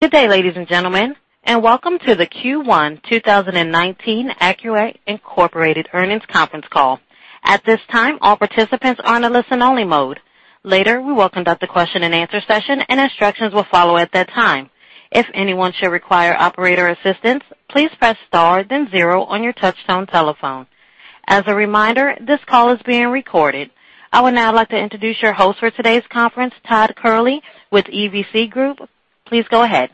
Good day, ladies and gentlemen, and welcome to the Q1 2019 Accuray Incorporated earnings conference call. At this time, all participants are on a listen-only mode. Later, we will conduct a question-and-answer session and instructions will follow at that time. If anyone should require operator assistance, please press star then zero on your touchtone telephone. As a reminder, this call is being recorded. I would now like to introduce your host for today's conference, Todd Curley with EVC Group. Please go ahead.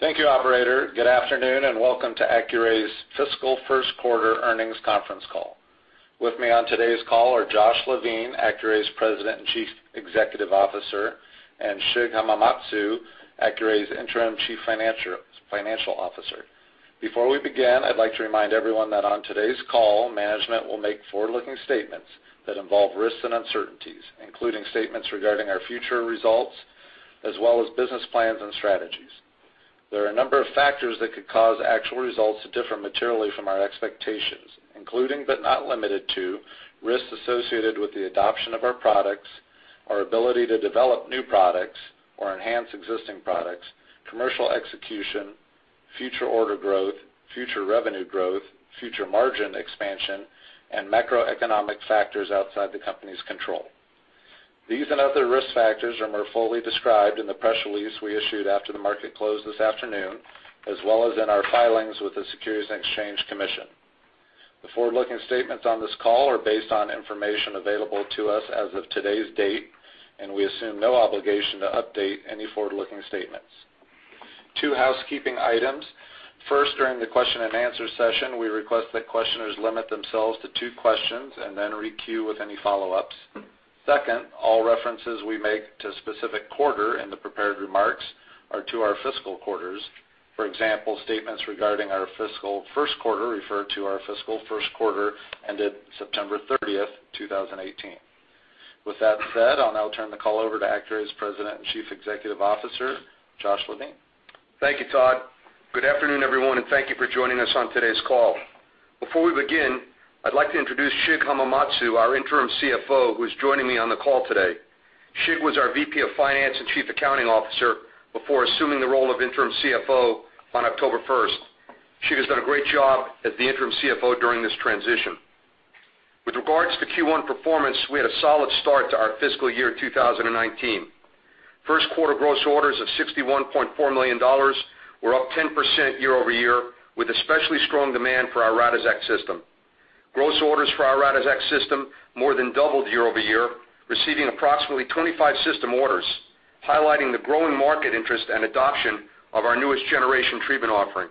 Thank you, operator. Good afternoon and welcome to Accuray's Fiscal First Quarter Earnings Conference Call. With me on today's call are Joshua Levine, Accuray's President and Chief Executive Officer, and Shigeyuki Hamamatsu, Accuray's Interim Chief Financial Officer. Before we begin, I'd like to remind everyone that on today's call, management will make forward-looking statements that involve risks and uncertainties, including statements regarding our future results, as well as business plans and strategies. There are a number of factors that could cause actual results to differ materially from our expectations, including but not limited to risks associated with the adoption of our products, our ability to develop new products or enhance existing products, commercial execution, future order growth, future revenue growth, future margin expansion, and macroeconomic factors outside the company's control. These and other risk factors are more fully described in the press release we issued after the market closed this afternoon, as well as in our filings with the Securities and Exchange Commission. The forward-looking statements on this call are based on information available to us as of today's date, and we assume no obligation to update any forward-looking statements. Two housekeeping items. First, during the question-and-answer session, we request that questioners limit themselves to two questions and then re-queue with any follow-ups. Second, all references we make to a specific quarter in the prepared remarks are to our fiscal quarters. For example, statements regarding our fiscal first quarter refer to our fiscal first quarter ended September 30th, 2018. With that said, I'll now turn the call over to Accuray's President and Chief Executive Officer, Joshua Levine. Thank you, Todd. Good afternoon, everyone, and thank you for joining us on today's call. Before we begin, I'd like to introduce Shig Hamamatsu, our Interim CFO, who is joining me on the call today. Shig was our VP of Finance and Chief Accounting Officer before assuming the role of Interim CFO on October 1st. Shig has done a great job as the Interim CFO during this transition. With regards to Q1 performance, we had a solid start to our fiscal year 2019. First quarter gross orders of $61.4 million were up 10% year-over-year, with especially strong demand for our Radixact System. Gross orders for our Radixact System more than doubled year-over-year, receiving approximately 25 system orders, highlighting the growing market interest and adoption of our newest generation treatment offering.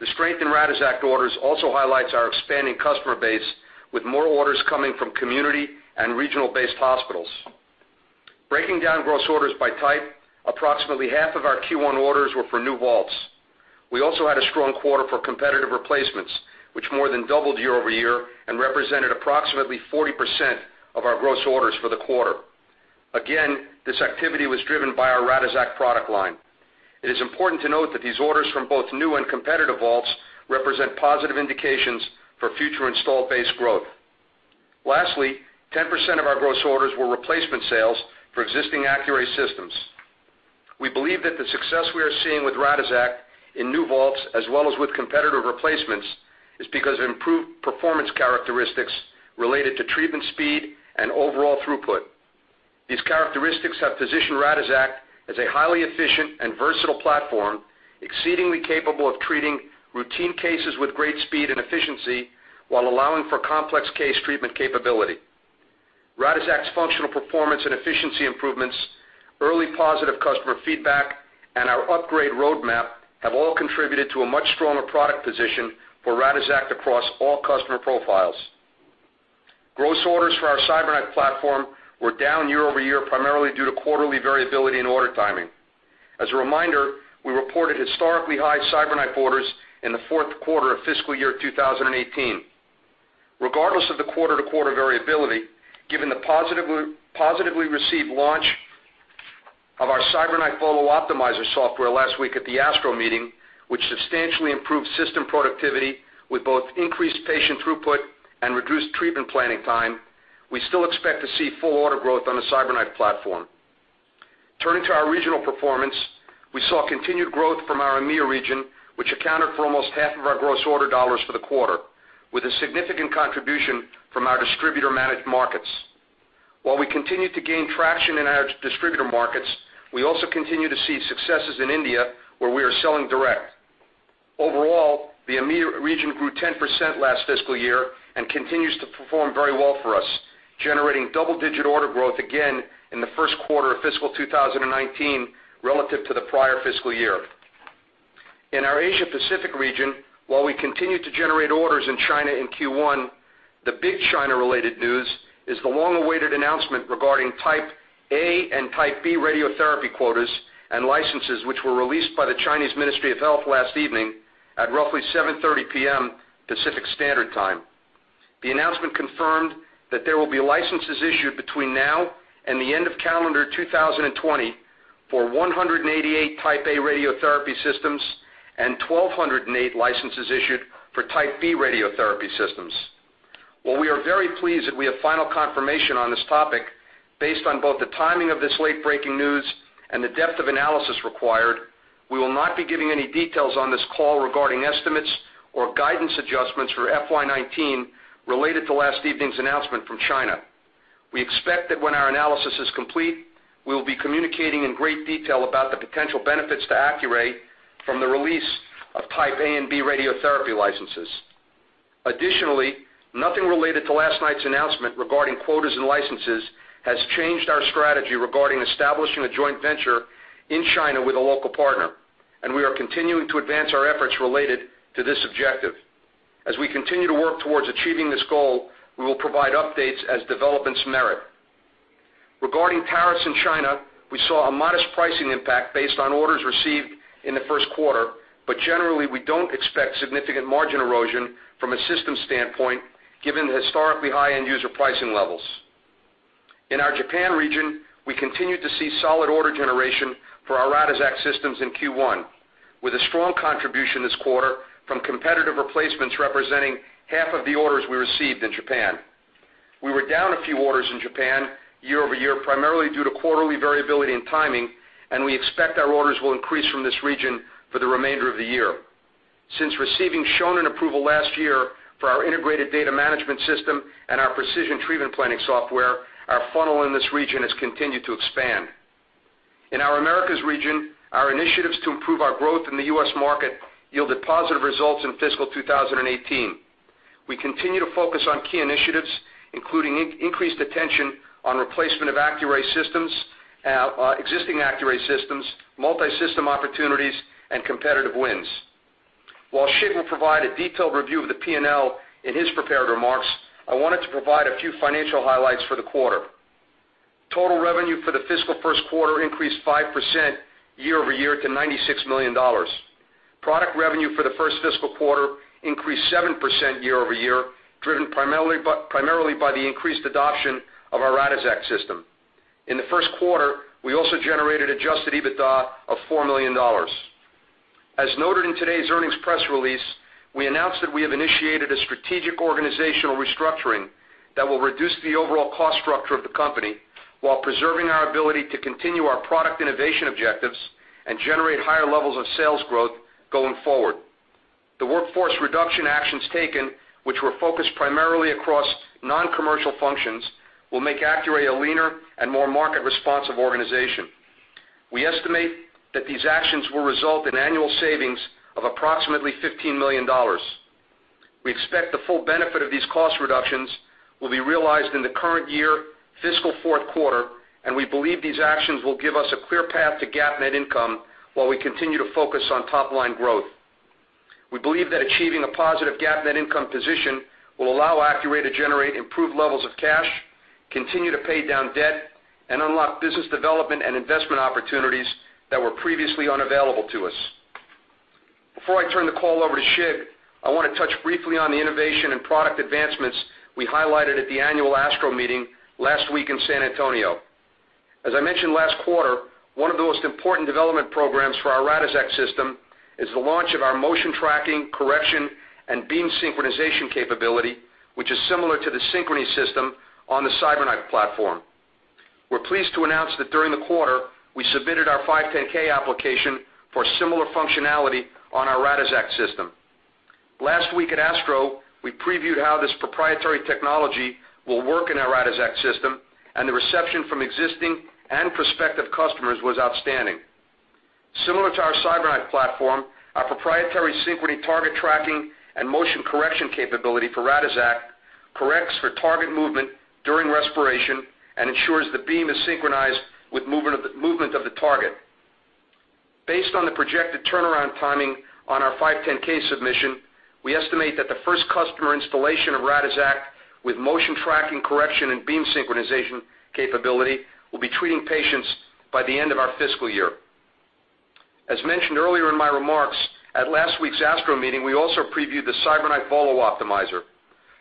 The strength in Radixact orders also highlights our expanding customer base, with more orders coming from community and regional-based hospitals. Breaking down gross orders by type, approximately half of our Q1 orders were for new vaults. We also had a strong quarter for competitive replacements, which more than doubled year-over-year and represented approximately 40% of our gross orders for the quarter. Again, this activity was driven by our Radixact product line. It is important to note that these orders from both new and competitive vaults represent positive indications for future install base growth. Lastly, 10% of our gross orders were replacement sales for existing Accuray systems. We believe that the success we are seeing with Radixact in new vaults as well as with competitive replacements is because of improved performance characteristics related to treatment speed and overall throughput. These characteristics have positioned Radixact as a highly efficient and versatile platform, exceedingly capable of treating routine cases with great speed and efficiency while allowing for complex case treatment capability. Radixact's functional performance and efficiency improvements, early positive customer feedback, and our upgrade roadmap have all contributed to a much stronger product position for Radixact across all customer profiles. Gross orders for our CyberKnife platform were down year-over-year, primarily due to quarterly variability in order timing. As a reminder, we reported historically high CyberKnife orders in the fourth quarter of FY 2018. Regardless of the quarter-to-quarter variability, given the positively received launch of our CyberKnife VOLO Optimizer software last week at the ASTRO Meeting, which substantially improved system productivity with both increased patient throughput and reduced treatment planning time, we still expect to see full order growth on the CyberKnife platform. Turning to our regional performance, we saw continued growth from our EMEA region, which accounted for almost half of our gross order dollars for the quarter, with a significant contribution from our distributor-managed markets. While we continue to gain traction in our distributor markets, we also continue to see successes in India, where we are selling direct. Overall, the EMEA region grew 10% last fiscal year and continues to perform very well for us, generating double-digit order growth again in the first quarter of FY 2019 relative to the prior fiscal year. In our Asia Pacific region, while we continued to generate orders in China in Q1, the big China-related news is the long-awaited announcement regarding Type A and Type B radiotherapy quotas and licenses which were released by the Chinese Ministry of Health last evening at roughly 7:30 P.M. Pacific Standard Time. The announcement confirmed that there will be licenses issued between now and the end of calendar 2020 for 188 Type A radiotherapy systems and 1,208 licenses issued for Type B radiotherapy systems. While we are very pleased that we have final confirmation on this topic, based on both the timing of this late-breaking news and the depth of analysis required, we will not be giving any details on this call regarding estimates or guidance adjustments for FY 2019 related to last evening's announcement from China. We expect that when our analysis is complete, we will be communicating in great detail about the potential benefits to Accuray from the release of Type A and B radiotherapy licenses. Nothing related to last night's announcement regarding quotas and licenses has changed our strategy regarding establishing a joint venture in China with a local partner, and we are continuing to advance our efforts related to this objective. As we continue to work towards achieving this goal, we will provide updates as developments merit. Regarding tariffs in China, we saw a modest pricing impact based on orders received in the first quarter. Generally, we don't expect significant margin erosion from a system standpoint given the historically high end-user pricing levels. In our Japan region, we continued to see solid order generation for our Radixact systems in Q1, with a strong contribution this quarter from competitive replacements representing half of the orders we received in Japan. We were down a few orders in Japan year-over-year, primarily due to quarterly variability and timing. We expect our orders will increase from this region for the remainder of the year. Since receiving Shonin approval last year for our Integrated Data Management System and our Precision Treatment Planning software, our funnel in this region has continued to expand. In our Americas region, our initiatives to improve our growth in the U.S. market yielded positive results in fiscal 2018. We continue to focus on key initiatives, including increased attention on replacement of Accuray systems, existing Accuray systems, multi-system opportunities, and competitive wins. While Shig will provide a detailed review of the P&L in his prepared remarks, I wanted to provide a few financial highlights for the quarter. Total revenue for the fiscal first quarter increased 5% year-over-year to $96 million. Product revenue for the first fiscal quarter increased 7% year-over-year, driven primarily by the increased adoption of our Radixact system. In the first quarter, we also generated adjusted EBITDA of $4 million. As noted in today's earnings press release, we announced that we have initiated a strategic organizational restructuring that will reduce the overall cost structure of the company while preserving our ability to continue our product innovation objectives and generate higher levels of sales growth going forward. The workforce reduction actions taken, which were focused primarily across non-commercial functions, will make Accuray a leaner and more market-responsive organization. We estimate that these actions will result in annual savings of approximately $15 million. We expect the full benefit of these cost reductions will be realized in the current year fiscal fourth quarter. We believe these actions will give us a clear path to GAAP net income while we continue to focus on top-line growth. We believe that achieving a positive GAAP net income position will allow Accuray to generate improved levels of cash, continue to pay down debt, and unlock business development and investment opportunities that were previously unavailable to us. Before I turn the call over to Shig, I want to touch briefly on the innovation and product advancements we highlighted at the annual ASTRO Meeting last week in San Antonio. As I mentioned last quarter, one of the most important development programs for our Radixact system is the launch of our motion tracking, correction, and beam synchronization capability, which is similar to the Synchrony system on the CyberKnife platform. We are pleased to announce that during the quarter, we submitted our 510(k) application for similar functionality on our Radixact System. Last week at ASTRO, we previewed how this proprietary technology will work in our Radixact System, and the reception from existing and prospective customers was outstanding. Similar to our CyberKnife platform, our proprietary Synchrony target tracking and motion correction capability for Radixact corrects for target movement during respiration and ensures the beam is synchronized with movement of the target. Based on the projected turnaround timing on our 510(k) submission, we estimate that the first customer installation of Radixact with motion tracking correction and beam synchronization capability will be treating patients by the end of our fiscal year. As mentioned earlier in my remarks, at last week's ASTRO Meeting, we also previewed the CyberKnife VOLO Optimizer.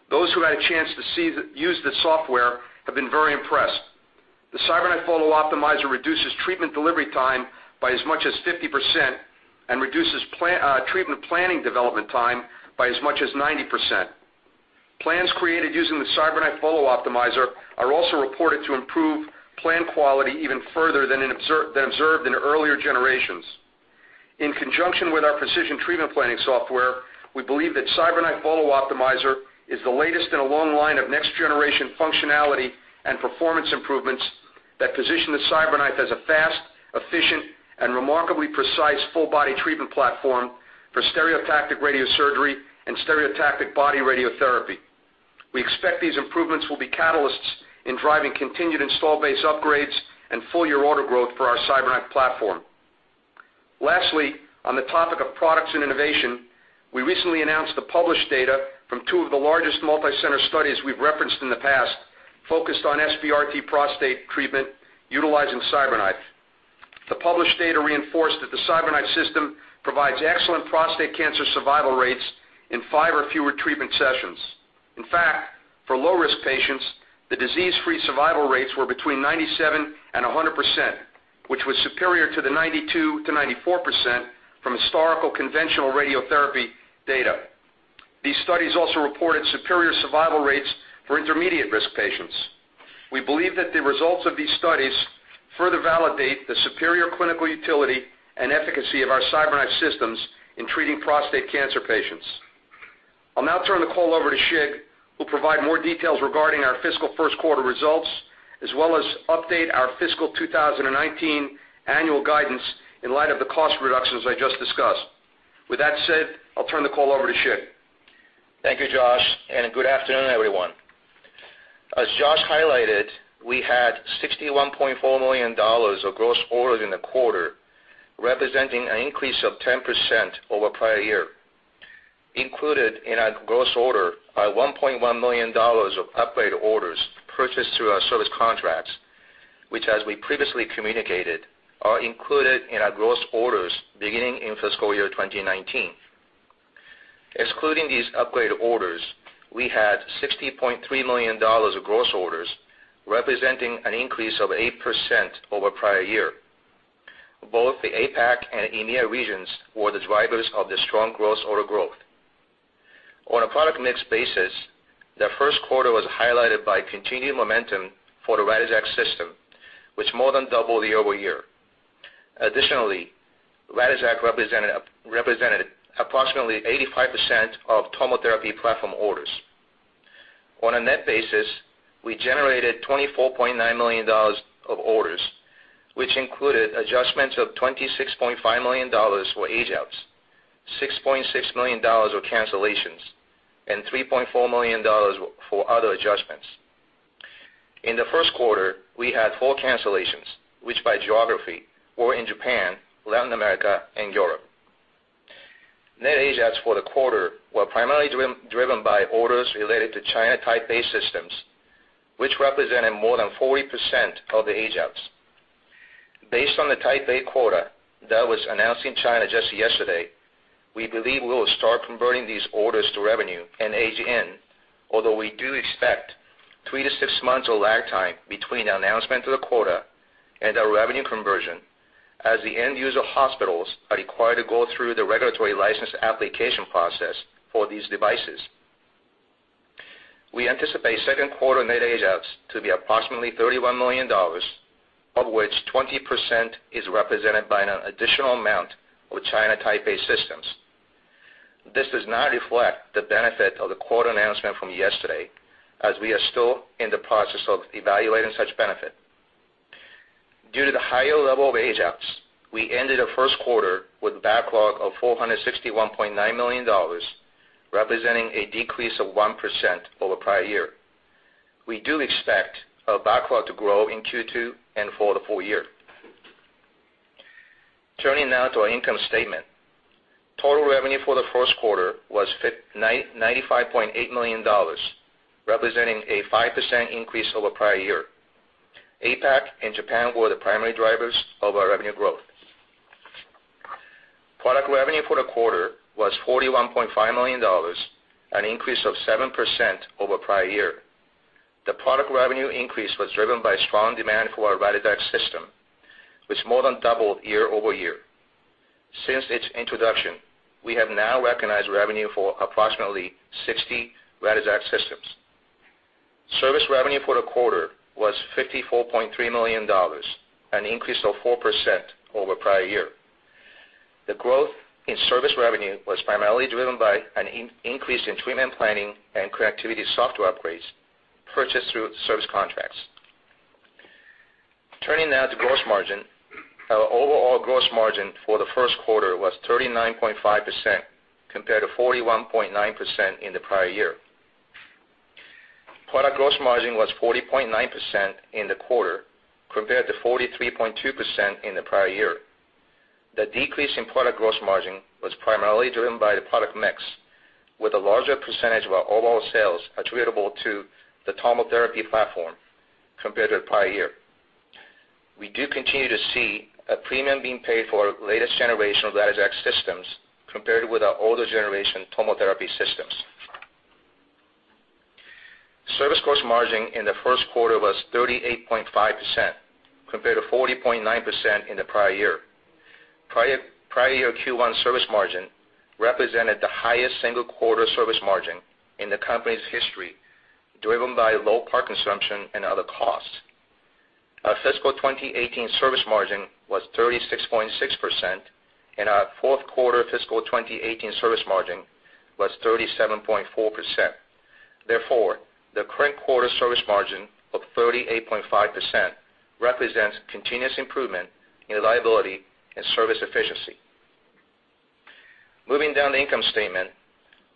Those who had a chance to use the software have been very impressed. The CyberKnife VOLO Optimizer reduces treatment delivery time by as much as 50% and reduces treatment planning development time by as much as 90%. Plans created using the CyberKnife VOLO Optimizer are also reported to improve plan quality even further than observed in earlier generations. In conjunction with our Precision Treatment Planning software, we believe that CyberKnife VOLO Optimizer is the latest in a long line of next-generation functionality and performance improvements that position the CyberKnife as a fast, efficient, and remarkably precise full-body treatment platform for stereotactic radiosurgery and stereotactic body radiotherapy. We expect these improvements will be catalysts in driving continued install base upgrades and full-year order growth for our CyberKnife platform. Lastly, on the topic of products and innovation, we recently announced the published data from two of the largest multi-center studies we have referenced in the past focused on SBRT prostate treatment utilizing CyberKnife. The published data reinforced that the CyberKnife System provides excellent prostate cancer survival rates in five or fewer treatment sessions. In fact, for low-risk patients, the disease-free survival rates were between 97% and 100%, which was superior to the 92%-94% from historical conventional radiotherapy data. These studies also reported superior survival rates for intermediate risk patients. We believe that the results of these studies further validate the superior clinical utility and efficacy of our CyberKnife systems in treating prostate cancer patients. I will now turn the call over to Shig, who will provide more details regarding our fiscal first quarter results, as well as update our fiscal 2019 annual guidance in light of the cost reductions I just discussed. With that said, I will turn the call over to Shig. Thank you, Josh, and good afternoon, everyone. As Josh highlighted, we had $61.4 million of gross orders in the quarter, representing an increase of 10% over prior year. Included in our gross order are $1.1 million of upgrade orders purchased through our service contracts, which, as we previously communicated, are included in our gross orders beginning in fiscal year 2019. Excluding these upgrade orders, we had $60.3 million of gross orders, representing an increase of 8% over prior year. Both the APAC and EMEA regions were the drivers of the strong gross order growth. On a product mix basis, the first quarter was highlighted by continued momentum for the Radixact System, which more than doubled year-over-year. Additionally, Radixact represented approximately 85% of TomoTherapy Platform orders. On a net basis, we generated $24.9 million of orders, which included adjustments of $26.5 million for age-outs, $6.6 million of cancellations, and $3.4 million for other adjustments. In the first quarter, we had four cancellations, which by geography, were in Japan, Latin America, and Europe. Net age-outs for the quarter were primarily driven by orders related to China Type A systems, which represented more than 40% of the age-outs. Based on the Type A quota that was announced in China just yesterday, we believe we will start converting these orders to revenue and age-in, although we do expect three to six months of lag time between the announcement of the quota and our revenue conversion, as the end-user hospitals are required to go through the regulatory license application process for these devices. We anticipate second quarter net age-outs to be approximately $31 million, of which 20% is represented by an additional amount of China Type A systems. This does not reflect the benefit of the quota announcement from yesterday, as we are still in the process of evaluating such benefit. Due to the higher level of age-outs, we ended the first quarter with a backlog of $461.9 million, representing a decrease of 1% over prior year. We do expect our backlog to grow in Q2 and for the full year. Turning now to our income statement. Total revenue for the first quarter was $95.8 million, representing a 5% increase over prior year. APAC and Japan were the primary drivers of our revenue growth. Product revenue for the quarter was $41.5 million, an increase of 7% over prior year. The product revenue increase was driven by strong demand for our Radixact System, which more than doubled year-over-year. Since its introduction, we have now recognized revenue for approximately 60 Radixact systems. Service revenue for the quarter was $54.3 million, an increase of 4% over prior year. The growth in service revenue was primarily driven by an increase in treatment planning and connectivity software upgrades purchased through service contracts. Turning now to gross margin. Our overall gross margin for the first quarter was 39.5%, compared to 41.9% in the prior year. Product gross margin was 40.9% in the quarter, compared to 43.2% in the prior year. The decrease in product gross margin was primarily driven by the product mix, with a larger percentage of our overall sales attributable to the TomoTherapy Platform compared to the prior year. We do continue to see a premium being paid for our latest generation of Radixact systems compared with our older generation TomoTherapy systems. Service gross margin in the first quarter was 38.5%, compared to 40.9% in the prior year. Prior year Q1 service margin represented the highest single-quarter service margin in the company's history, driven by low part consumption and other costs. Our fiscal 2018 service margin was 36.6%, and our fourth quarter fiscal 2018 service margin was 37.4%. Therefore, the current quarter service margin of 38.5% represents continuous improvement in liability and service efficiency. Moving down the income statement,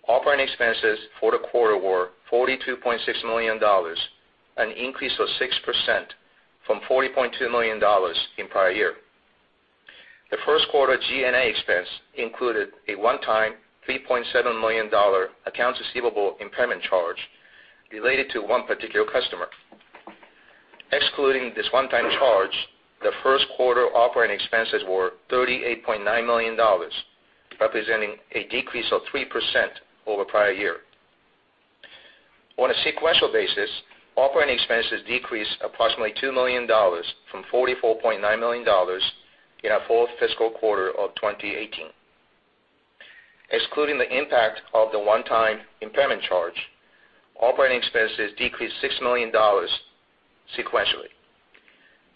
operating expenses for the quarter were $42.6 million, an increase of 6% from $40.2 million in prior year. The first quarter G&A expense included a one-time $3.7 million accounts receivable impairment charge related to one particular customer. Excluding this one-time charge, the first quarter operating expenses were $38.9 million, representing a decrease of 3% over prior year. On a sequential basis, operating expenses decreased approximately $2 million from $44.9 million in our fourth fiscal quarter of 2018. Excluding the impact of the one-time impairment charge, operating expenses decreased $6 million sequentially.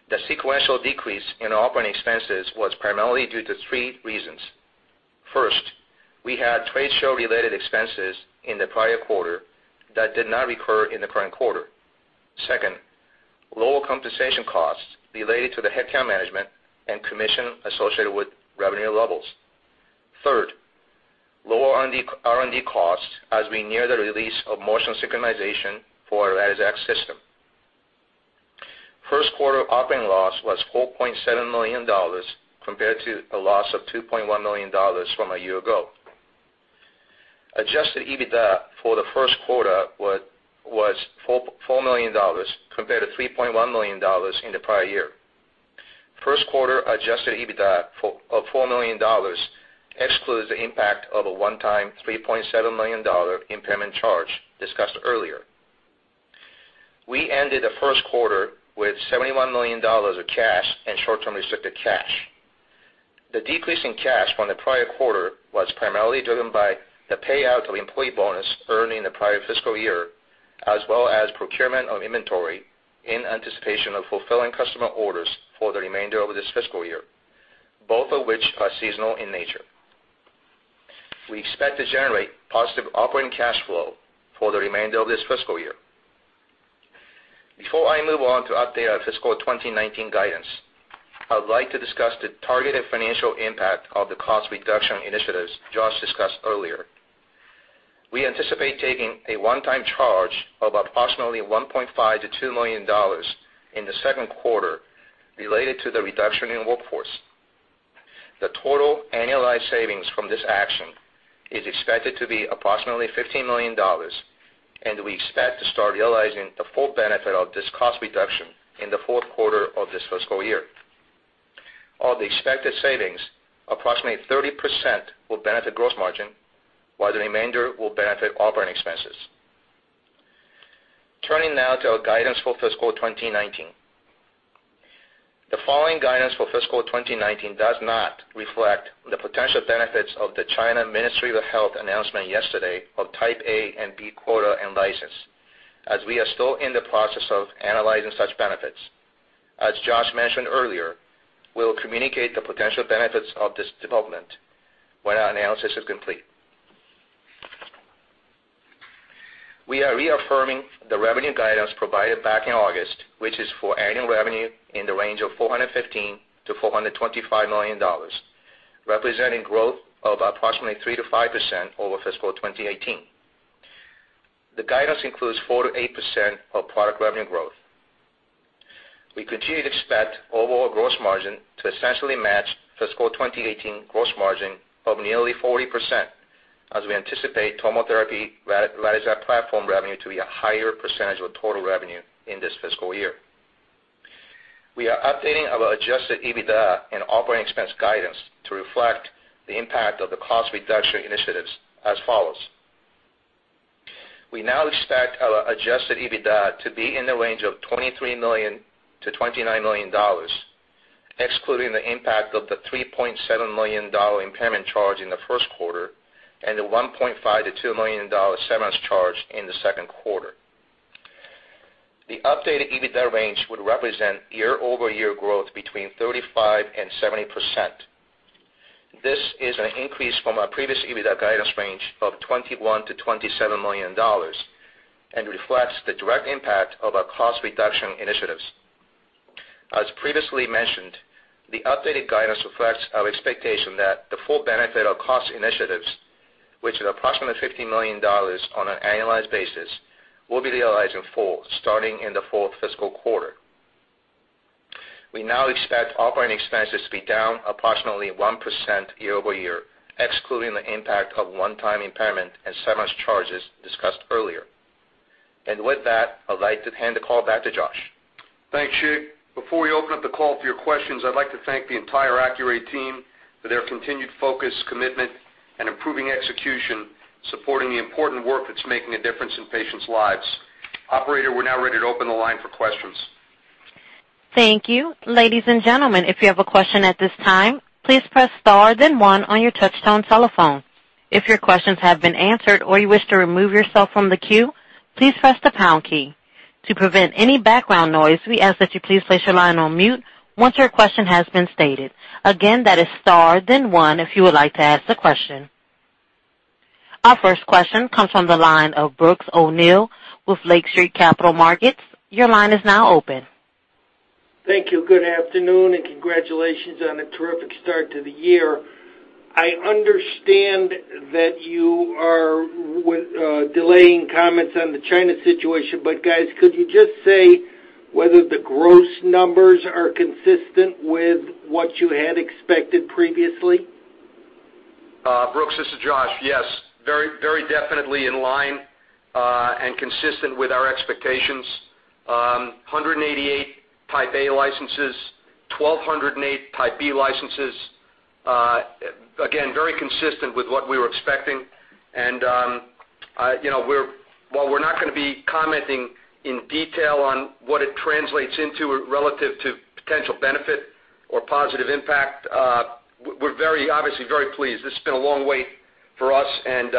The sequential decrease in operating expenses was primarily due to three reasons. First, we had trade show-related expenses in the prior quarter that did not recur in the current quarter. Second, lower compensation costs related to the headcount management and commission associated with revenue levels. Third, lower R&D costs as we near the release of motion synchronization for our Radixact System. First quarter operating loss was $4.7 million, compared to a loss of $2.1 million from a year ago. Adjusted EBITDA for the first quarter was $4 million, compared to $3.1 million in the prior year. First quarter adjusted EBITDA of $4 million excludes the impact of a one-time $3.7 million impairment charge discussed earlier. We ended the first quarter with $71 million of cash and short-term restricted cash. The decrease in cash from the prior quarter was primarily driven by the payout of employee bonus earned in the prior fiscal year, as well as procurement of inventory in anticipation of fulfilling customer orders for the remainder of this fiscal year, both of which are seasonal in nature. We expect to generate positive operating cash flow for the remainder of this fiscal year. Before I move on to update our fiscal 2019 guidance, I would like to discuss the targeted financial impact of the cost reduction initiatives Josh discussed earlier. We anticipate taking a one-time charge of approximately $1.5 million-$2 million in the second quarter related to the reduction in workforce. The total annualized savings from this action is expected to be approximately $15 million, and we expect to start realizing the full benefit of this cost reduction in the fourth quarter of this fiscal year. Of the expected savings, approximately 30% will benefit gross margin, while the remainder will benefit operating expenses. Turning now to our guidance for fiscal 2019. The following guidance for fiscal 2019 does not reflect the potential benefits of the China Ministry of Health announcement yesterday of Type A and Type B quota and license, as we are still in the process of analyzing such benefits. As Josh mentioned earlier, we'll communicate the potential benefits of this development when our analysis is complete. We are reaffirming the revenue guidance provided back in August, which is for annual revenue in the range of $415 million-$425 million, representing growth of approximately 3%-5% over fiscal 2018. The guidance includes 4%-8% of product revenue growth. We continue to expect overall gross margin to essentially match fiscal 2018 gross margin of nearly 40%, as we anticipate TomoTherapy Radixact platform revenue to be a higher percentage of total revenue in this fiscal year. We are updating our adjusted EBITDA and operating expense guidance to reflect the impact of the cost reduction initiatives as follows. We now expect our adjusted EBITDA to be in the range of $23 million-$29 million, excluding the impact of the $3.7 million impairment charge in the first quarter and the $1.5 million-$2 million severance charge in the second quarter. The updated EBITDA range would represent year-over-year growth between 35% and 70%. This is an increase from our previous EBITDA guidance range of $21 million-$27 million and reflects the direct impact of our cost reduction initiatives. As previously mentioned, the updated guidance reflects our expectation that the full benefit of cost initiatives, which is approximately $15 million on an annualized basis, will be realized in full starting in the fourth fiscal quarter. We now expect operating expenses to be down approximately 1% year-over-year, excluding the impact of one-time impairment and severance charges discussed earlier. With that, I'd like to hand the call back to Josh. Thanks, Shig. Before we open up the call for your questions, I'd like to thank the entire Accuray team for their continued focus, commitment, and improving execution, supporting the important work that's making a difference in patients' lives. Operator, we're now ready to open the line for questions. Thank you. Ladies and gentlemen, if you have a question at this time, please press star then one on your touch-tone telephone. If your questions have been answered or you wish to remove yourself from the queue, please press the pound key. To prevent any background noise, we ask that you please place your line on mute once your question has been stated. Again, that is star then one if you would like to ask a question. Our first question comes from the line of Brooks O'Neil with Lake Street Capital Markets. Your line is now open. Thank you. Good afternoon, congratulations on a terrific start to the year. I understand that you are delaying comments on the China situation, guys, could you just say whether the gross numbers are consistent with what you had expected previously? Brooks, this is Josh. Yes, very definitely in line and consistent with our expectations. 188 Type A licenses, 1,208 Type B licenses. Very consistent with what we were expecting. While we're not going to be commenting in detail on what it translates into relative to potential benefit or positive impact, we're very obviously very pleased. This has been a long wait for us, and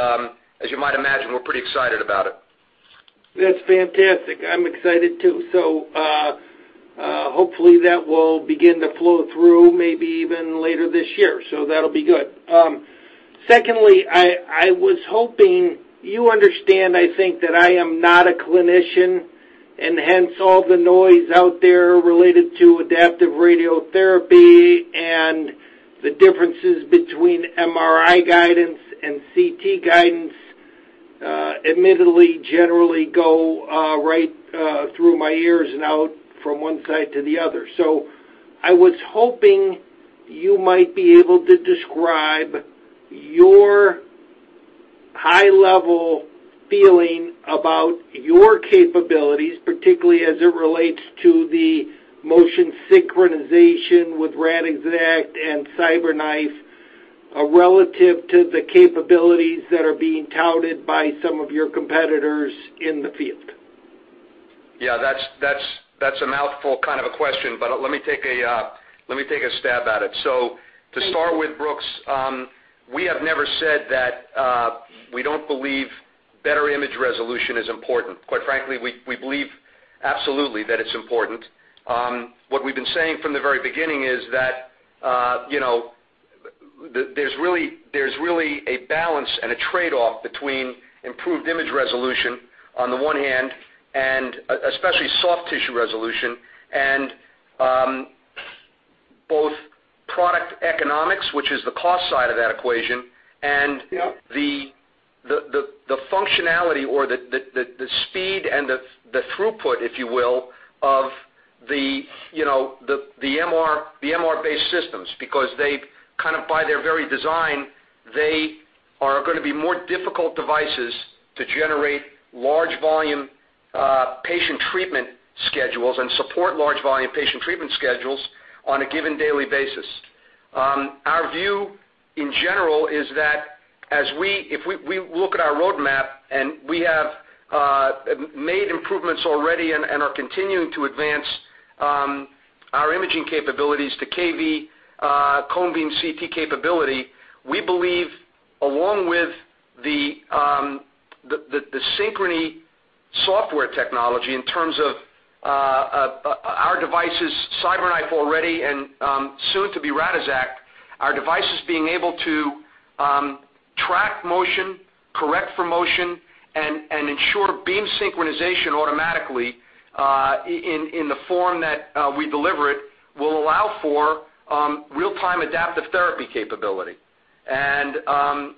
as you might imagine, we're pretty excited about it. That's fantastic. I'm excited too. Hopefully that will begin to flow through, maybe even later this year, that'll be good. Secondly, I was hoping you understand, I think, that I am not a clinician, and hence all the noise out there related to adaptive radiotherapy and the differences between MRI guidance and CT guidance admittedly generally go right through my ears and out from one side to the other. I was hoping you might be able to describe your high-level feeling about your capabilities, particularly as it relates to the motion synchronization with Radixact and CyberKnife relative to the capabilities that are being touted by some of your competitors in the field. That's a mouthful kind of a question. Let me take a stab at it. To start with, Brooks, we have never said that we don't believe better image resolution is important. Quite frankly, we believe absolutely that it's important. What we've been saying from the very beginning is that there's really a balance and a trade-off between improved image resolution on the one hand, and especially soft tissue resolution, and both product economics, which is the cost side of that equation Yep The functionality or the speed and the throughput, if you will, of the MR-based systems because they kind of by their very design, they are going to be more difficult devices to generate large volume patient treatment schedules and support large volume patient treatment schedules on a given daily basis. Our view in general is that if we look at our roadmap and we have made improvements already and are continuing to advance our imaging capabilities to kV cone-beam CT capability, we believe along with the Synchrony software technology in terms of our devices, CyberKnife already and soon to be Radixact, our devices being able to track motion, correct for motion and ensure beam synchronization automatically in the form that we deliver it will allow for real-time adaptive therapy capability. There's no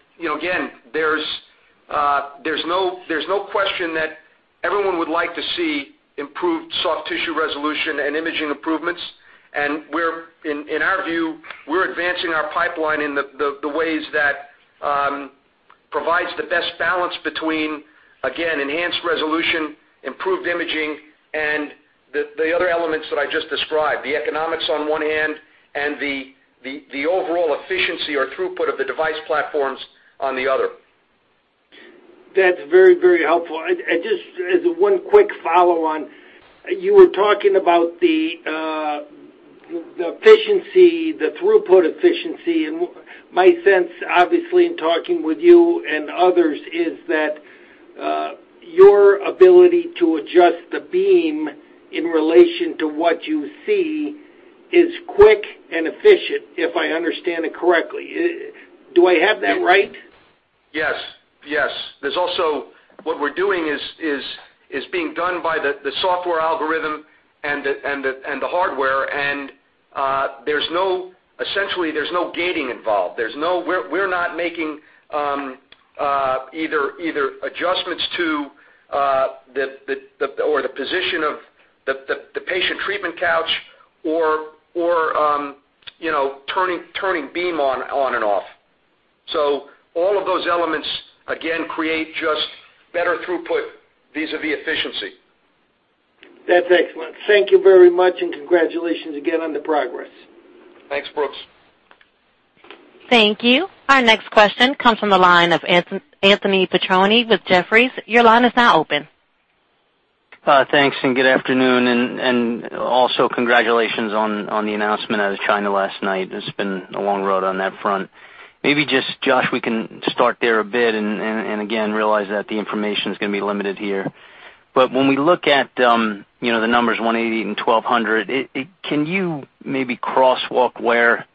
question that everyone would like to see improved soft tissue resolution and imaging improvements. In our view, we're advancing our pipeline in the ways that provides the best balance between, again, enhanced resolution, improved imaging and the other elements that I just described, the economics on one hand and the overall efficiency or throughput of the device platforms on the other. That's very, very helpful. Just as one quick follow-on, you were talking about the throughput efficiency, and my sense, obviously, in talking with you and others is that your ability to adjust the beam in relation to what you see is quick and efficient, if I understand it correctly. Do I have that right? Yes. There's also what we're doing is being done by the software algorithm and the hardware, and essentially there's no gating involved. We're not making either adjustments to or the position of the patient treatment couch or turning beam on and off. All of those elements, again, create just better throughput vis-à-vis efficiency. That's excellent. Thank you very much, and congratulations again on the progress. Thanks, Brooks. Thank you. Our next question comes from the line of Anthony Petrone with Jefferies. Your line is now open. Thanks, and good afternoon. Also congratulations on the announcement out of China last night. It's been a long road on that front. Maybe just, Josh, we can start there a bit and again, realize that the information's going to be limited here. When we look at the numbers 180 and 1,200, can you maybe crosswalk where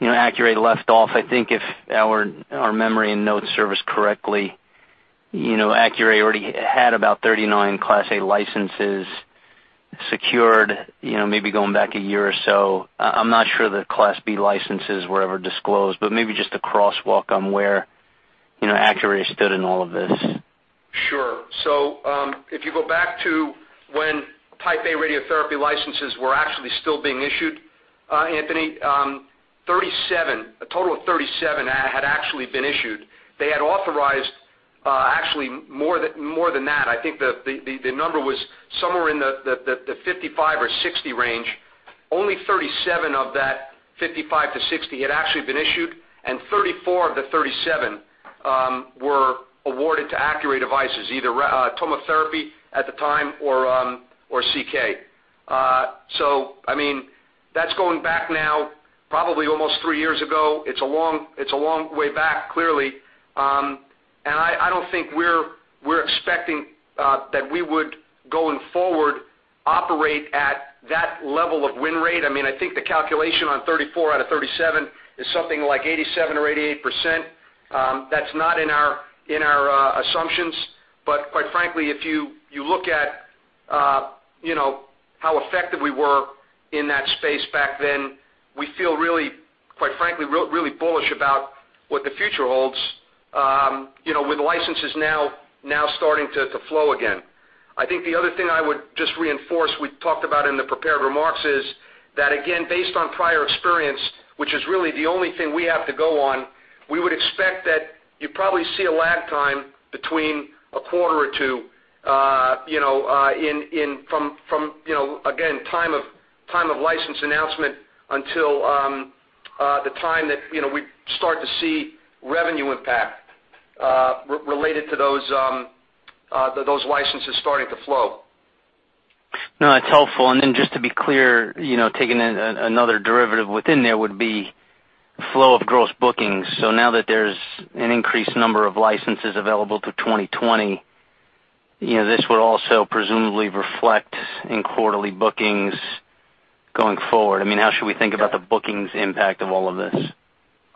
Accuray left off? I think if our memory and notes serve us correctly, Accuray already had about 39 Class A licenses secured maybe going back a year or so. I'm not sure the Class B licenses were ever disclosed, but maybe just a crosswalk on where Accuray stood in all of this. Sure. If you go back to when Type A radiotherapy licenses were actually still being issued, Anthony, a total of 37 actually been issued. They had authorized actually more than that. I think the number was somewhere in the 55-60 range. Only 37 of that 55-60 had actually been issued, and 34 of the 37 were awarded to Accuray devices, either TomoTherapy at the time or CK. That's going back now, probably almost three years ago. It's a long way back, clearly. I don't think we're expecting that we would, going forward, operate at that level of win rate. I think the calculation on 34 out of 37 is something like 87% or 88%. That's not in our assumptions. Quite frankly, if you look at how effective we were in that space back then, we feel really, quite frankly, really bullish about what the future holds with licenses now starting to flow again. I think the other thing I would just reinforce, we talked about in the prepared remarks is that, again, based on prior experience, which is really the only thing we have to go on, we would expect that you probably see a lag time between a quarter or two from again, time of license announcement until the time that we start to see revenue impact related to those licenses starting to flow. No, that's helpful. Just to be clear, taking another derivative within there would be flow of gross bookings. Now that there's an increased number of licenses available through 2020, this would also presumably reflect in quarterly bookings going forward. How should we think about the bookings impact of all of this?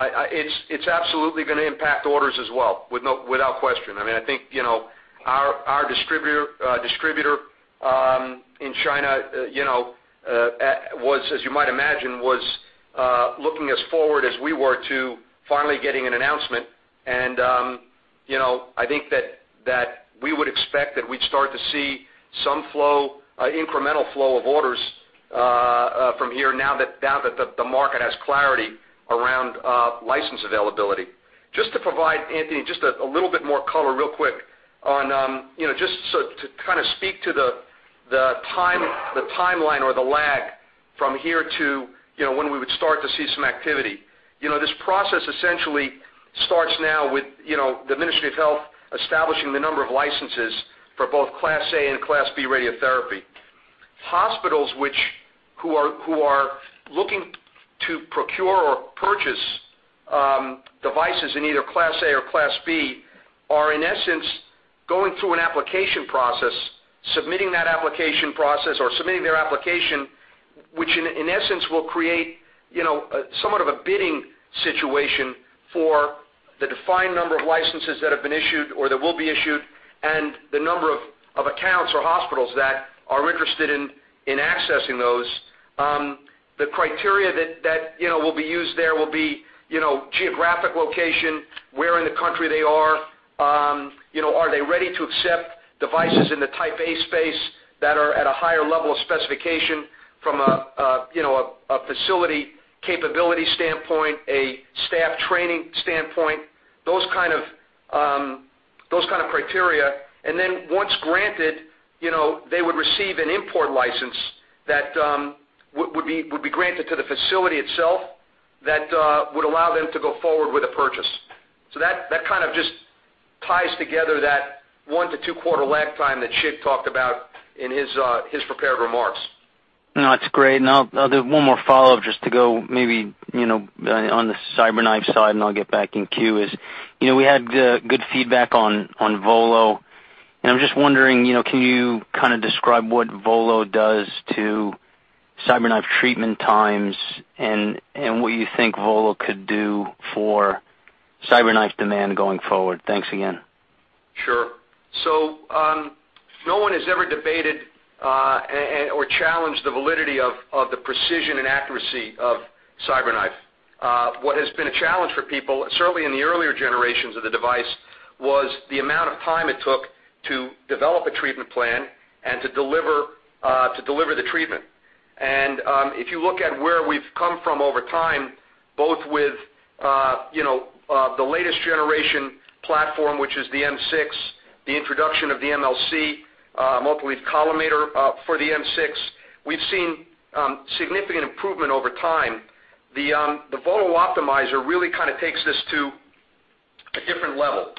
It's absolutely going to impact orders as well, without question. I think our distributor in China was as you might imagine, looking as forward as we were to finally getting an announcement. We would expect that we'd start to see some incremental flow of orders from here now that the market has clarity around license availability. Just to provide, Anthony, just a little bit more color real quick on to kind of speak to the timeline or the lag from here to when we would start to see some activity. This process essentially starts now with the Ministry of Health establishing the number of licenses for both Class A and Class B radiotherapy. Hospitals who are looking to procure or purchase devices in either Class A or Class B are, in essence, going through an application process, submitting that application process or submitting their application, which in essence will create somewhat of a bidding situation for the defined number of licenses that have been issued or that will be issued, and the number of accounts or hospitals that are interested in accessing those. The criteria that will be used there will be geographic location, where in the country they are they ready to accept devices in the Type A space that are at a higher level of specification from a facility capability standpoint, a staff training standpoint, those kind of criteria. Once granted, they would receive an import license that would be granted to the facility itself that would allow them to go forward with a purchase. that kind of just ties together that one to two quarter lag time that Shig talked about in his prepared remarks. No, that's great. I'll do one more follow-up just to go maybe on the CyberKnife side, and I'll get back in queue. We had good feedback on Volo, and I'm just wondering, can you kind of describe what Volo does to CyberKnife treatment times and what you think Volo could do for CyberKnife demand going forward? Thanks again. Sure. No one has ever debated or challenged the validity of the precision and accuracy of CyberKnife. What has been a challenge for people, certainly in the earlier generations of the device, was the amount of time it took to develop a treatment plan and to deliver the treatment. If you look at where we've come from over time, both with the latest generation platform, which is the M6, the introduction of the MLC, multi-leaf collimator for the M6, we've seen significant improvement over time. The VOLO Optimizer really kind of takes this to a different level.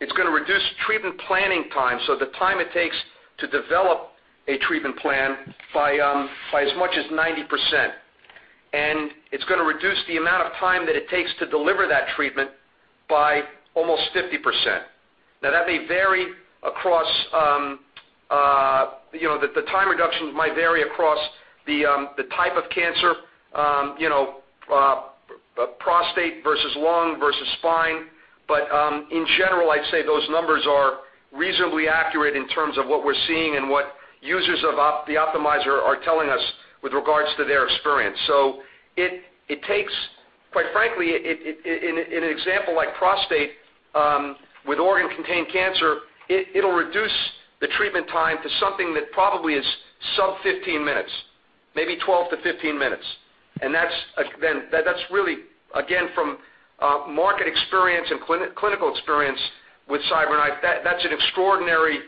It's going to reduce treatment planning time, so the time it takes to develop a treatment plan by as much as 90%. It's going to reduce the amount of time that it takes to deliver that treatment by almost 50%. Now that may vary across the time reductions might vary across the type of cancer, prostate versus lung versus spine. In general, I'd say those numbers are reasonably accurate in terms of what we're seeing and what users of the Optimizer are telling us with regards to their experience. Quite frankly, in an example like prostate, with organ contained cancer, it'll reduce the treatment time to something that probably is sub 15 minutes. Maybe 12 to 15 minutes. That's really, again, from market experience and clinical experience with CyberKnife, that's an extraordinary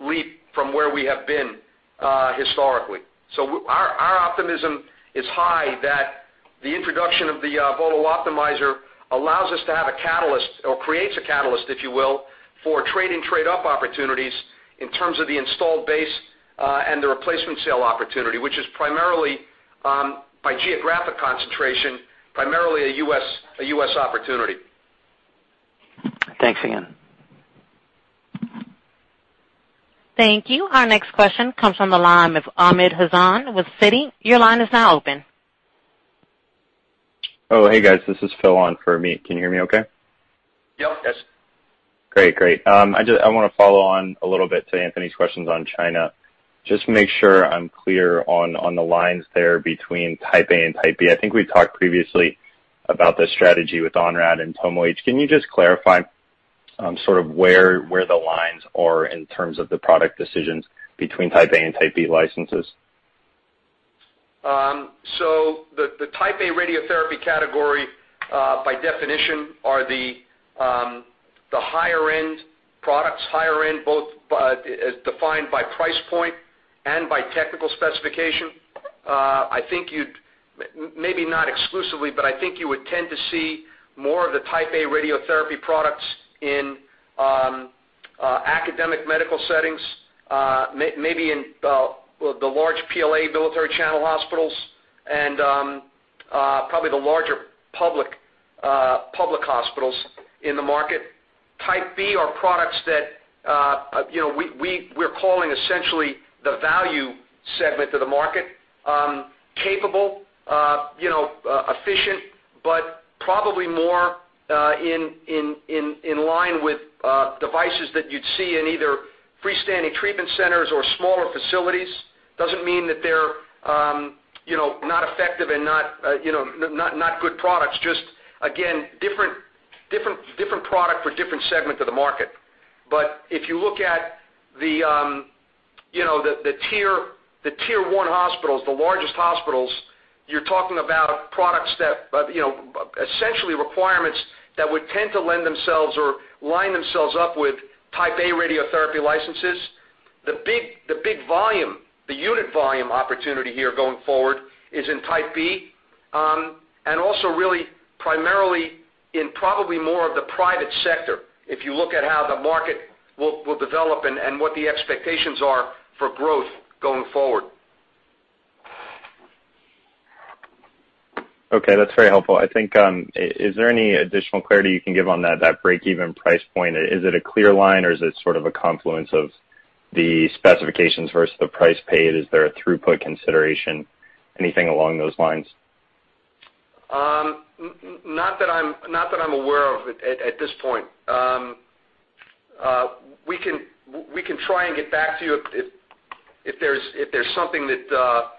leap from where we have been historically. Our optimism is high that the introduction of the VOLO Optimizer allows us to have a catalyst or creates a catalyst, if you will, for trade and trade-up opportunities in terms of the installed base, and the replacement sale opportunity, which is primarily by geographic concentration, primarily a U.S. opportunity. Thanks again. Thank you. Our next question comes from the line of Amit Hazan with Citi. Your line is now open. Hey, guys. This is Phil on for Amit. Can you hear me okay? Yep. Yes. Great. I want to follow on a little bit to Anthony's questions on China. Just to make sure I'm clear on the lines there between Type A and Type B. I think we've talked previously about the strategy with Onrad and TomoH. Can you just clarify where the lines are in terms of the product decisions between Type A and Type B licenses? The Type A radiotherapy category, by definition, are the higher-end products, higher-end both as defined by price point and by technical specification. Maybe not exclusively, but I think you would tend to see more of the Type A radiotherapy products in academic medical settings, maybe in the large PLA military channel hospitals and probably the larger public hospitals in the market. Type B are products that we're calling essentially the value segment of the market. Capable, efficient, but probably more in line with devices that you'd see in either freestanding treatment centers or smaller facilities. Doesn't mean that they're not effective and not good products, just again, different product for different segments of the market. But if you look at the tier 1 hospitals, the largest hospitals, you're talking about products that, essentially requirements that would tend to lend themselves or line themselves up with Type A radiotherapy licenses. The big volume, the unit volume opportunity here going forward is in Type B, and also really primarily in probably more of the private sector, if you look at how the market will develop and what the expectations are for growth going forward. Okay, that's very helpful. I think, is there any additional clarity you can give on that break-even price point? Is it a clear line or is it sort of a confluence of the specifications versus the price paid? Is there a throughput consideration? Anything along those lines? Not that I'm aware of at this point. We can try and get back to you if there's something that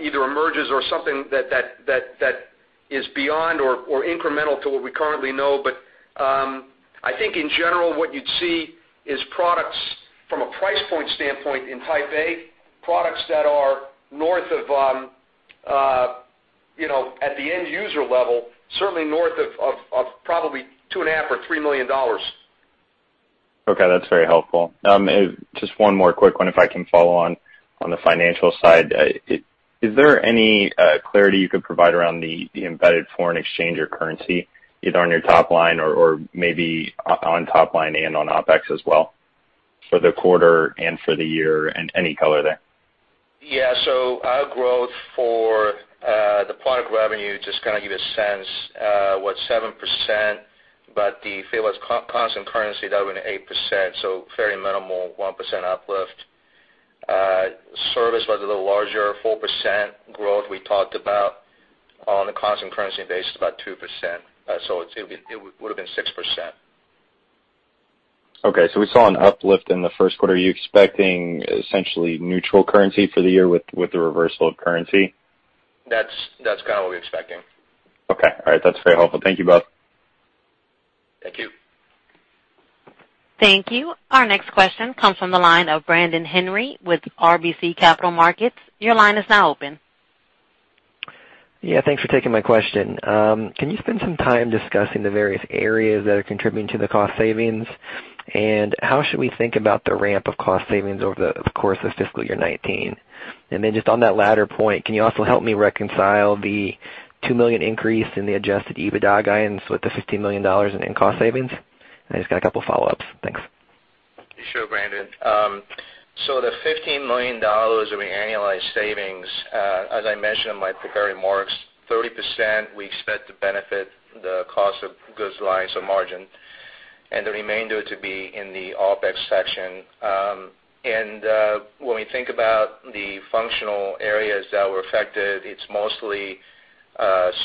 either emerges or something that is beyond or incremental to what we currently know. I think in general, what you'd see is products from a price point standpoint in Type A, products that are north of, at the end user level, certainly north of probably two and a half or $3 million. Okay, that's very helpful. Just one more quick one if I can follow on the financial side. Is there any clarity you could provide around the embedded foreign exchange or currency, either on your top line or maybe on top line and on OpEx as well for the quarter and for the year and any color there? Our growth for the product revenue, just to kind of give you a sense, was 7%, but if it was constant currency, that would've been 8%, very minimal, 1% uplift. Service was a little larger, 4% growth we talked about. On a constant currency basis, about 2%. It would've been 6%. We saw an uplift in the first quarter. Are you expecting essentially neutral currency for the year with the reversal of currency? That's kind of what we're expecting. Okay. All right. That's very helpful. Thank you both. Thank you. Thank you. Our next question comes from the line of Brandon Henry with RBC Capital Markets. Your line is now open. Yeah, thanks for taking my question. Can you spend some time discussing the various areas that are contributing to the cost savings? How should we think about the ramp of cost savings over the course of fiscal year 2019? Just on that latter point, can you also help me reconcile the $2 million increase in the adjusted EBITDA guidance with the $15 million in cost savings? I've just got a couple of follow-ups. Thanks. Sure, Brandon. The $15 million of annualized savings, as I mentioned in my prepared remarks, 30% we expect to benefit the cost of goods lines of margin and the remainder to be in the OpEx section. When we think about the functional areas that were affected, it's mostly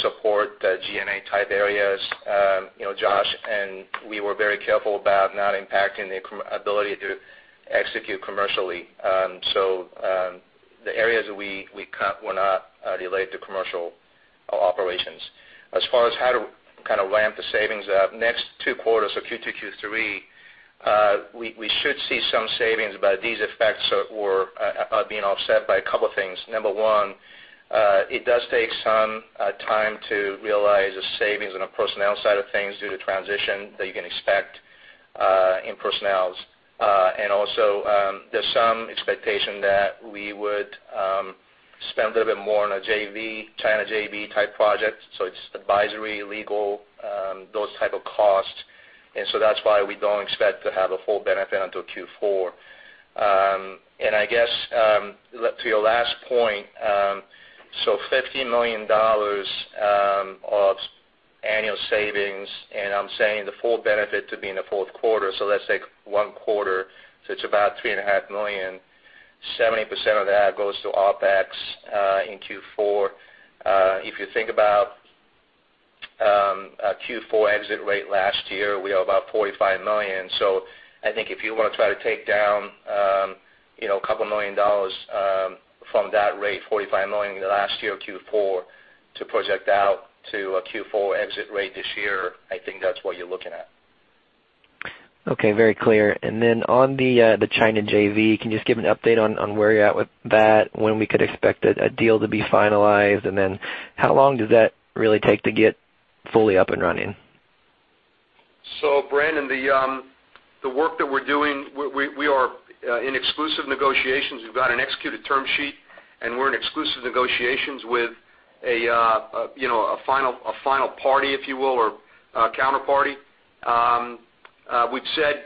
support, the G&A type areas. Josh and we were very careful about not impacting the ability to execute commercially. The areas that we cut were not related to commercial operations. As far as how to ramp the savings up, next 2 quarters, so Q2, Q3, we should see some savings, but these effects are being offset by a couple things. Number one, it does take some time to realize the savings on a personnel side of things due to transition that you can expect in personnel. Also, there's some expectation that we would spend a little bit more on a China JV-type project, it's advisory, legal, those type of costs. That's why we don't expect to have a full benefit until Q4. I guess, to your last point, $50 million of annual savings, I'm saying the full benefit to be in the fourth quarter, let's take one quarter, it's about three and a half million. 70% of that goes to OpEx in Q4. If you think about Q4 exit rate last year, we are about $45 million. I think if you want to try to take down a couple million dollars from that rate, $45 million in the last year, Q4, to project out to a Q4 exit rate this year, I think that's what you're looking at. Okay. Very clear. On the China JV, can you just give an update on where you're at with that? When we could expect a deal to be finalized, how long does that really take to get fully up and running? Brandon, the work that we're doing, we are in exclusive negotiations. We've got an executed term sheet, we're in exclusive negotiations with a final party, if you will, or a counterparty. We've said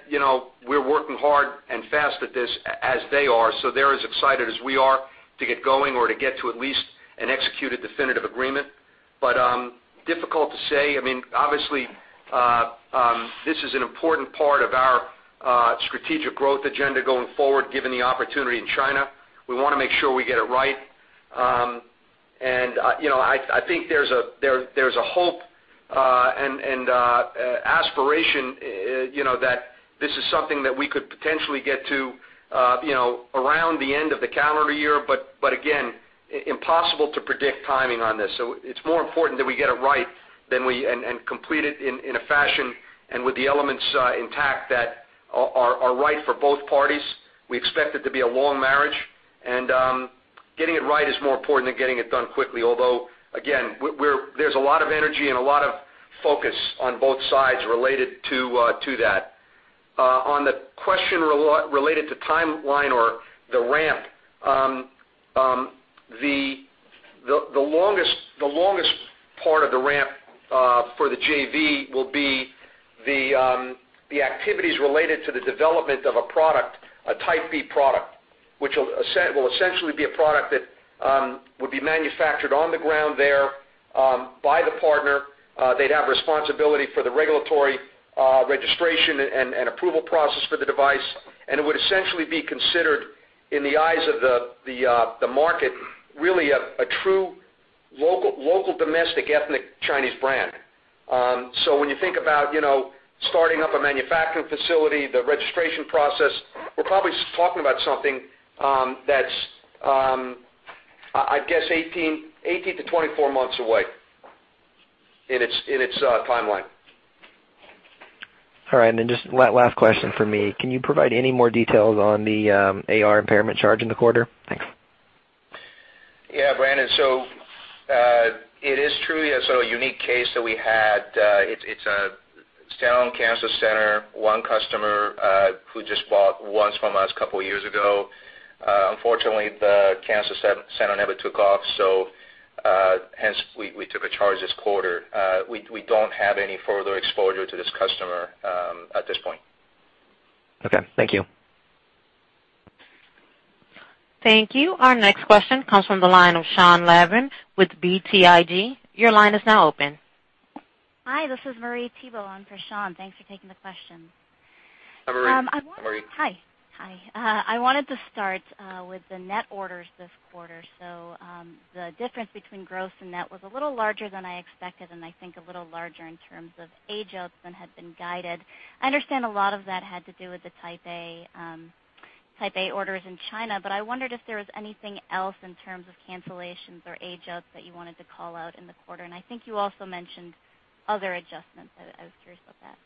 we're working hard and fast at this, as they are. They're as excited as we are to get going or to get to at least an executed definitive agreement. Difficult to say. Obviously, this is an important part of our strategic growth agenda going forward, given the opportunity in China. We want to make sure we get it right. I think there's a hope and aspiration that this is something that we could potentially get to around the end of the calendar year. Again, impossible to predict timing on this. It's more important that we get it right and complete it in a fashion and with the elements intact that are right for both parties. We expect it to be a long marriage, and getting it right is more important than getting it done quickly. Again, there's a lot of energy and a lot of focus on both sides related to that. On the question related to timeline or the ramp, the longest part of the ramp for the JV will be the activities related to the development of a product, a Type B product, which will essentially be a product that would be manufactured on the ground there by the partner. They'd have responsibility for the regulatory registration and approval process for the device, and it would essentially be considered, in the eyes of the market, really a true local domestic ethnic Chinese brand. When you think about starting up a manufacturing facility, the registration process, we're probably talking about something that's, I guess, 18-24 months away in its timeline. All right. Just last question from me. Can you provide any more details on the AR impairment charge in the quarter? Thanks. Brandon, it is truly a sort of unique case that we had. It's a standalone cancer center, one customer who just bought once from us a couple of years ago. Unfortunately, the cancer center never took off, so hence we took a charge this quarter. We don't have any further exposure to this customer at this point. Okay. Thank you. Thank you. Our next question comes from the line of Sean Lavin with BTIG. Your line is now open. Hi, this is Marie Thibault on for Sean. Thanks for taking the question. Hi, Marie. How are you? Hi. I wanted to start with the net orders this quarter. The difference between gross and net was a little larger than I expected and I think a little larger in terms of age outs than had been guided. I understand a lot of that had to do with the Type A orders in China, but I wondered if there was anything else in terms of cancellations or age outs that you wanted to call out in the quarter. I think you also mentioned other adjustments. I was curious about that.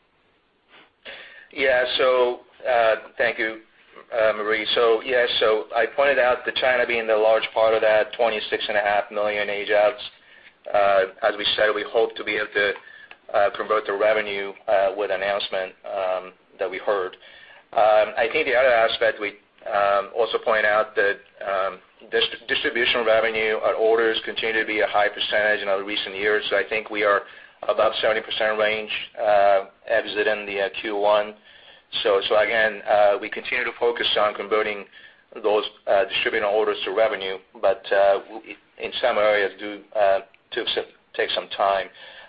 Thank you, Marie. I pointed out that China being the large part of that $26.5 million age outs. As we said, we hope to be able to convert to revenue with announcement that we heard. I think the other aspect we also point out that distribution revenue orders continue to be a high percentage in our recent years. I think we are above 70% range exit in the Q1. Again, we continue to focus on converting those distributor orders to revenue, but in some areas do take some time.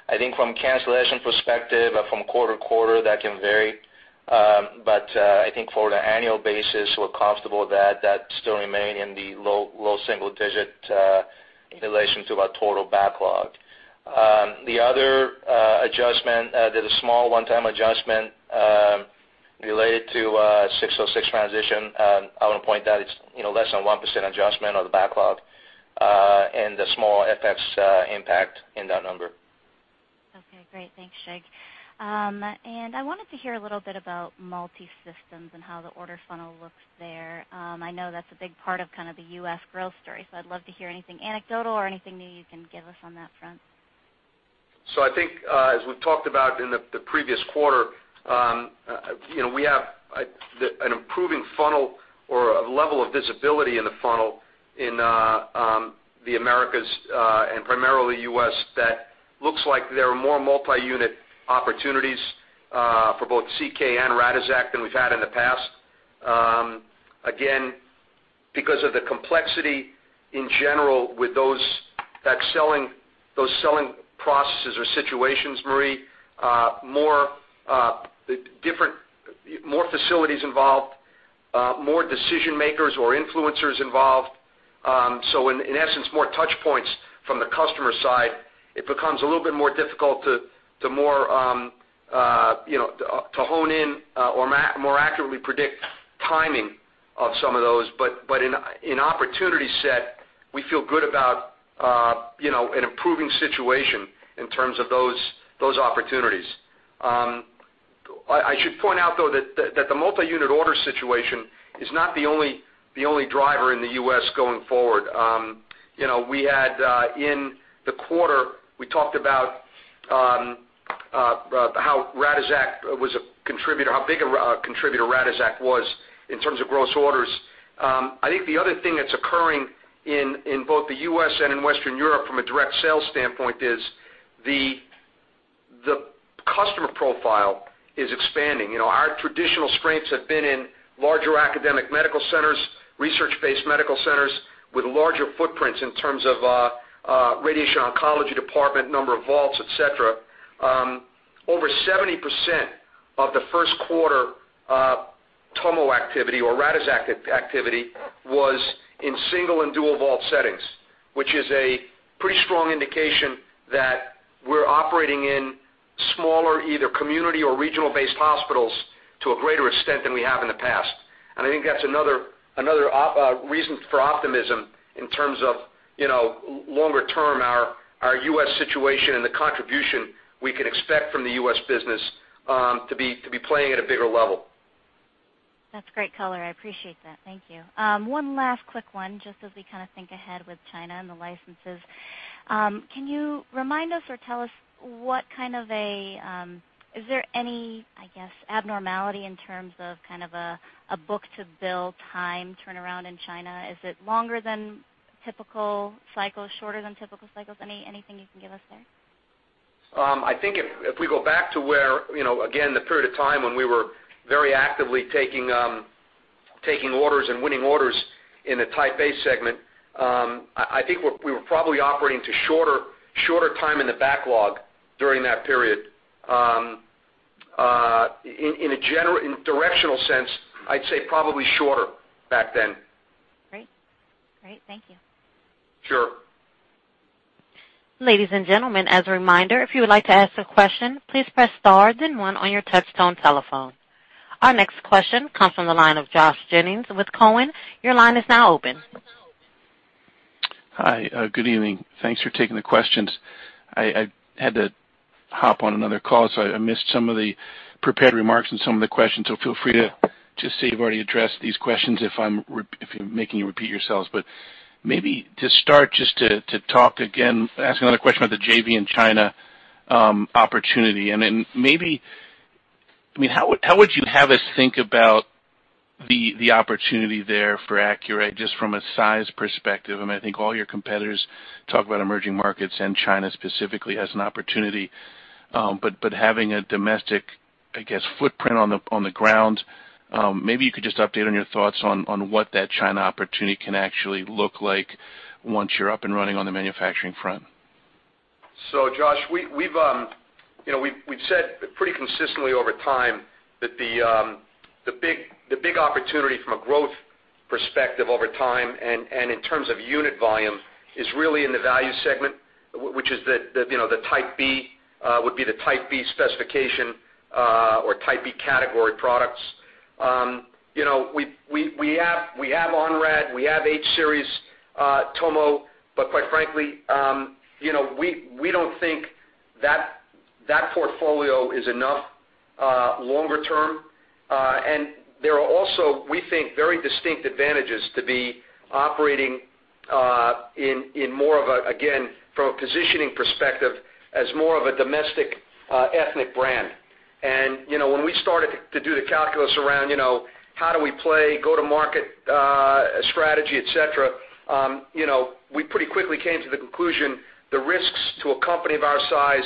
I think from cancellation perspective, from quarter to quarter, that can vary. For the annual basis, we're comfortable that still remain in the low single digit in relation to our total backlog. The other adjustment, there's a small one-time adjustment ASC 606 transition. I want to point that it's less than 1% adjustment of the backlog, the small FX impact in that number. Okay, great. Thanks, Shig. I wanted to hear a little bit about multi-systems and how the order funnel looks there. I know that's a big part of kind of the U.S. growth story, so I'd love to hear anything anecdotal or anything new you can give us on that front. I think, as we've talked about in the previous quarter, we have an improving funnel or a level of visibility in the funnel in the Americas, and primarily U.S., that looks like there are more multi-unit opportunities, for both CyberKnife Radixact than we've had in the past. Again, because of the complexity in general with those selling processes or situations, Marie, more facilities involved, more decision-makers or influencers involved. In essence, more touch points from the customer side. It becomes a little bit more difficult to hone in or more accurately predict timing of some of those. In opportunity set, we feel good about an improving situation in terms of those opportunities. I should point out, though, that the multi-unit order situation is not the only driver in the U.S. going forward. In the quarter, we talked about how big a contributor Radixact was in terms of gross orders. I think the other thing that's occurring in both the U.S. and in Western Europe from a direct sales standpoint is the customer profile is expanding. Our traditional strengths have been in larger academic medical centers, research-based medical centers with larger footprints in terms of radiation oncology department, number of vaults, et cetera. Over 70% of the first quarter TomoTherapy activity or Radixact activity was in single and dual vault settings, which is a pretty strong indication that we're operating in smaller, either community or regional-based hospitals to a greater extent than we have in the past. I think that's another reason for optimism in terms of longer term, our U.S. situation and the contribution we can expect from the U.S. business to be playing at a bigger level. That's great color. I appreciate that. Thank you. One last quick one, just as we kind of think ahead with China and the licenses. Can you remind us or tell us, is there any, I guess, abnormality in terms of kind of a book-to-bill time turnaround in China? Is it longer than typical cycles, shorter than typical cycles? Anything you can give us there? I think if we go back to where, again, the period of time when we were very actively taking orders and winning orders in the Type A segment, I think we were probably operating to shorter time in the backlog during that period. In directional sense, I'd say probably shorter back then. Great. Thank you. Sure. Ladies and gentlemen, as a reminder, if you would like to ask a question, please press star then one on your touchtone telephone. Our next question comes from the line of Josh Jennings with Cowen. Your line is now open. Hi, good evening. Thanks for taking the questions. I had to hop on another call, so I missed some of the prepared remarks and some of the questions, so feel free to just say you've already addressed these questions if I'm making you repeat yourselves. Maybe to start, just to talk again, ask another question about the JV in China opportunity. And then maybe, how would you have us think about the opportunity there for Accuray, just from a size perspective? I think all your competitors talk about emerging markets and China specifically as an opportunity. But having a domestic footprint on the ground, maybe you could just update on your thoughts on what that China opportunity can actually look like once you're up and running on the manufacturing front. Josh, we've said pretty consistently over time that the big opportunity from a growth perspective over time and in terms of unit volume is really in the value segment, which is the Type B specification, or Type B category products. We have Onrad, we have H series tomo, but quite frankly, we don't think that portfolio is enough longer term. There are also, we think, very distinct advantages to be operating in more of a, again, from a positioning perspective, as more of a domestic ethnic brand. When we started to do the calculus around how do we play go-to-market strategy, et cetera, we pretty quickly came to the conclusion the risks to a company of our size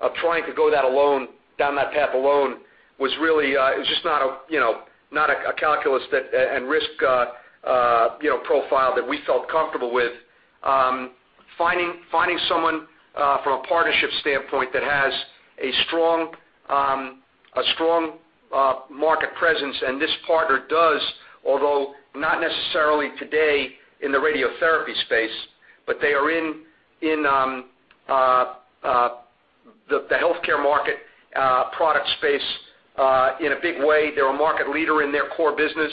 of trying to go down that path alone was really just not a calculus and risk profile that we felt comfortable with. Finding someone from a partnership standpoint that has a strong market presence, and this partner does, although not necessarily today in the radiotherapy space, but they are in the healthcare market product space in a big way. They're a market leader in their core business.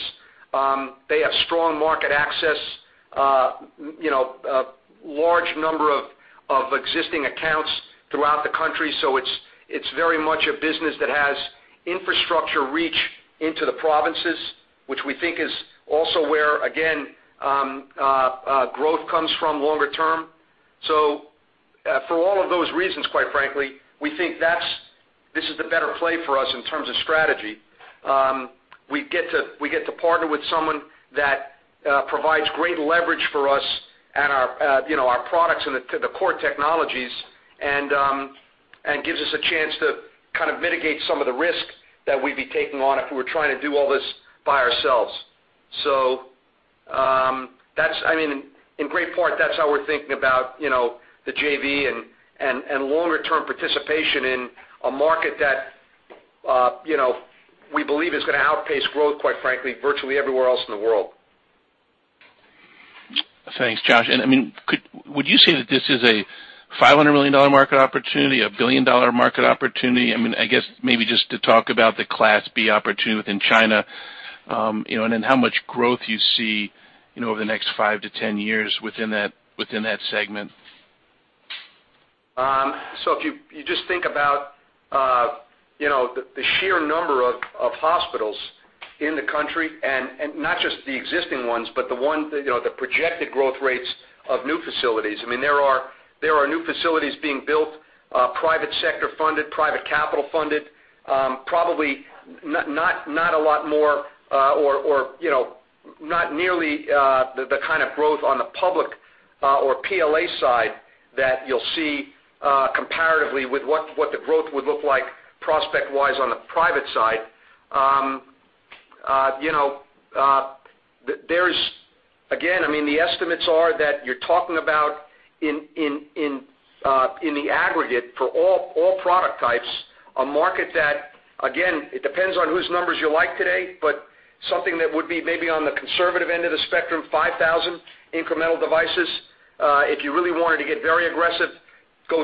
They have strong market access, a large number of existing accounts throughout the country. It's very much a business that has infrastructure reach into the provinces, which we think is also where, again, growth comes from longer term. For all of those reasons, quite frankly, we think this is the better play for us in terms of strategy. We get to partner with someone that provides great leverage for us and our products and the core technologies and gives us a chance to mitigate some of the risk that we'd be taking on if we were trying to do all this by ourselves. In great part, that's how we're thinking about the JV and longer-term participation in a market that we believe is going to outpace growth, quite frankly, virtually everywhere else in the world. Thanks, Josh. Would you say that this is a $500 million market opportunity? A billion-dollar market opportunity? I guess maybe just to talk about the Class B opportunity within China, and then how much growth you see over the next five to 10 years within that segment. If you just think about the sheer number of hospitals in the country, not just the existing ones, but the projected growth rates of new facilities. There are new facilities being built, private sector funded, private capital funded, probably not a lot more or not nearly the kind of growth on the public or PLA side that you'll see comparatively with what the growth would look like prospect-wise on the private side. Again, the estimates are that you're talking about, in the aggregate for all product types, a market that, again, it depends on whose numbers you like today, but something that would be maybe on the conservative end of the spectrum, 5,000 incremental devices. If you really wanted to get very aggressive, go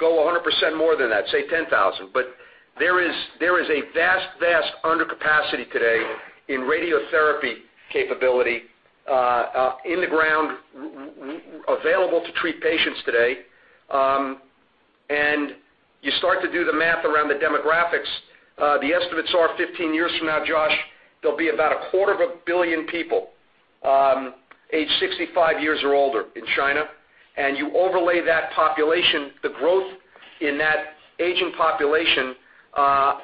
100% more than that, say 10,000. There is a vast undercapacity today in radiotherapy capability in the ground available to treat patients today. You start to do the math around the demographics, the estimates are 15 years from now, Josh, there'll be about a quarter of a billion people aged 65 years or older in China. You overlay that population, the growth in that aging population,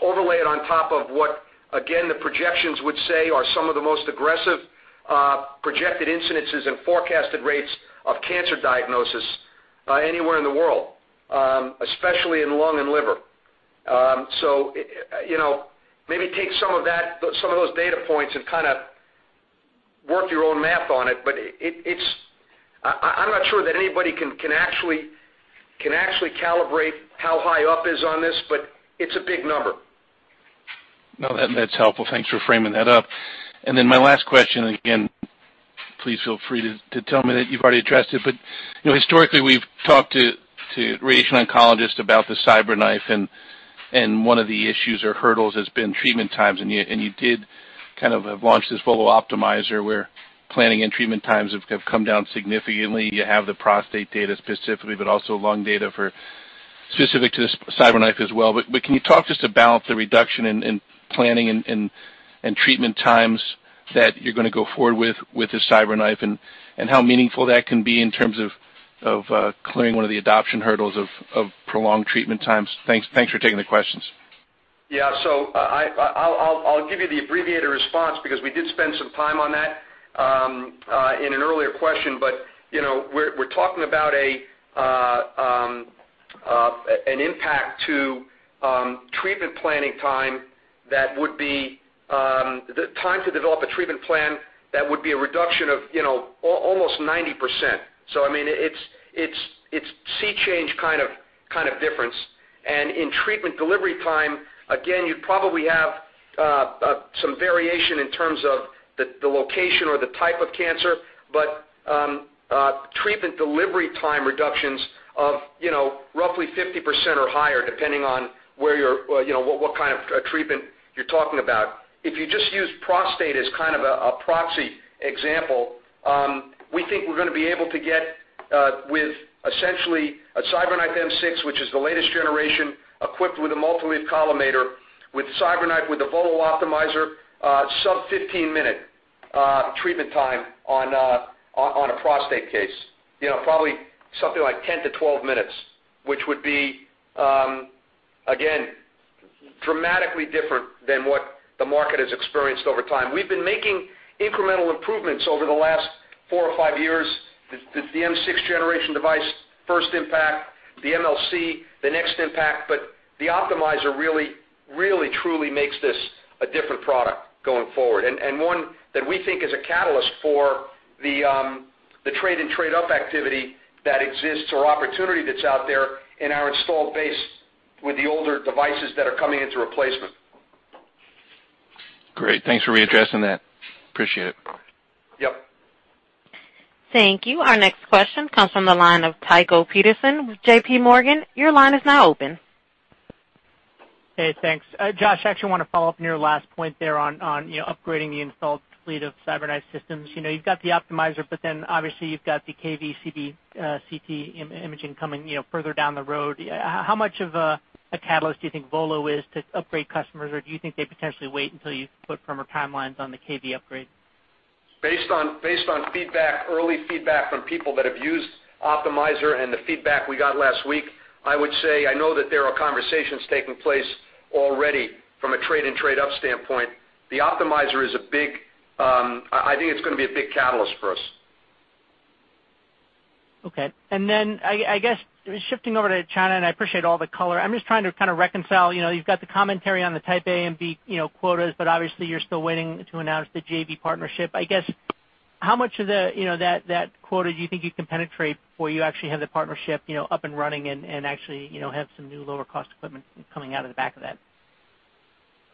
overlay it on top of what, again, the projections would say are some of the most aggressive projected incidences and forecasted rates of cancer diagnosis anywhere in the world, especially in lung and liver. Maybe take some of those data points and work your own math on it. I'm not sure that anybody can actually calibrate how high up is on this, it's a big number. No, that's helpful. Thanks for framing that up. My last question, again, please feel free to tell me that you've already addressed it. Historically, we've talked to radiation oncologists about the CyberKnife, and one of the issues or hurdles has been treatment times, and you did launch this VOLO Optimizer, where planning and treatment times have come down significantly. You have the prostate data specifically, also lung data specific to the CyberKnife as well. Can you talk just about the reduction in planning and treatment times that you're going to go forward with the CyberKnife, and how meaningful that can be in terms of clearing one of the adoption hurdles of prolonged treatment times? Thanks for taking the questions. Yeah. I'll give you the abbreviated response because we did spend some time on that in an earlier question. We're talking about an impact to treatment planning time that would be the time to develop a treatment plan that would be a reduction of almost 90%. It's sea change kind of difference. In treatment delivery time, again, you'd probably have some variation in terms of the location or the type of cancer, but treatment delivery time reductions of roughly 50% or higher, depending on what kind of treatment you're talking about. If you just use prostate as kind of a proxy example, we think we're going to be able to get with essentially a CyberKnife M6, which is the latest generation, equipped with a multi-leaf collimator, with CyberKnife with a VOLO Optimizer, sub 15-minute treatment time on a prostate case. Probably something like 10 to 12 minutes, which would be, again, dramatically different than what the market has experienced over time. We've been making incremental improvements over the last four or five years. The M6 generation device, first impact, the MLC, the next impact, the Optimizer really truly makes this a different product going forward. One that we think is a catalyst for the trade and trade-up activity that exists or opportunity that's out there in our installed base with the older devices that are coming into replacement. Great. Thanks for readdressing that. Appreciate it. Yep. Thank you. Our next question comes from the line of Tycho Peterson with JPMorgan. Your line is now open. Hey, thanks. Josh, I actually want to follow up on your last point there on upgrading the installed fleet of CyberKnife systems. You've got the Optimizer, but then obviously you've got the kV CT imaging coming further down the road. How much of a catalyst do you think VOLO is to upgrade customers, or do you think they potentially wait until you put firmer timelines on the kV upgrade? Based on early feedback from people that have used Optimizer and the feedback we got last week, I would say I know that there are conversations taking place already from a trade and trade-up standpoint. The Optimizer, I think it's going to be a big catalyst for us. Okay. Then, I guess, shifting over to China, I appreciate all the color. I'm just trying to kind of reconcile. You've got the commentary on the Type A and B quotas, but obviously you're still waiting to announce the JV partnership. I guess, how much of that quota do you think you can penetrate before you actually have the partnership up and running and actually have some new lower cost equipment coming out of the back of that?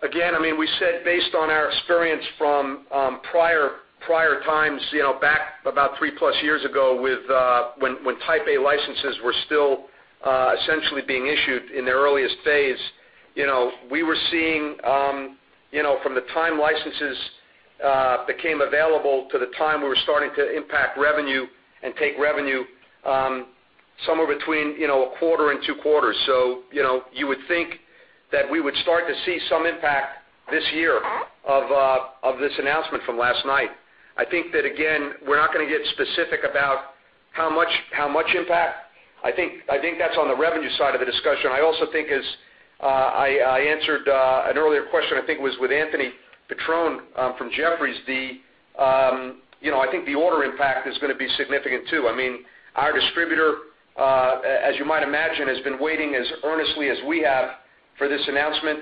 Again, we said based on our experience from prior times, back about three-plus years ago, when Type A licenses were still essentially being issued in their earliest phase. We were seeing from the time licenses became available to the time we were starting to impact revenue and take revenue, somewhere between a quarter and two quarters. You would think that we would start to see some impact this year of this announcement from last night. I think that, again, we're not going to get specific about how much impact. I think that's on the revenue side of the discussion. I also think as I answered an earlier question, I think it was with Anthony Petrone from Jefferies. I think the order impact is going to be significant too. Our distributor, as you might imagine, has been waiting as earnestly as we have for this announcement,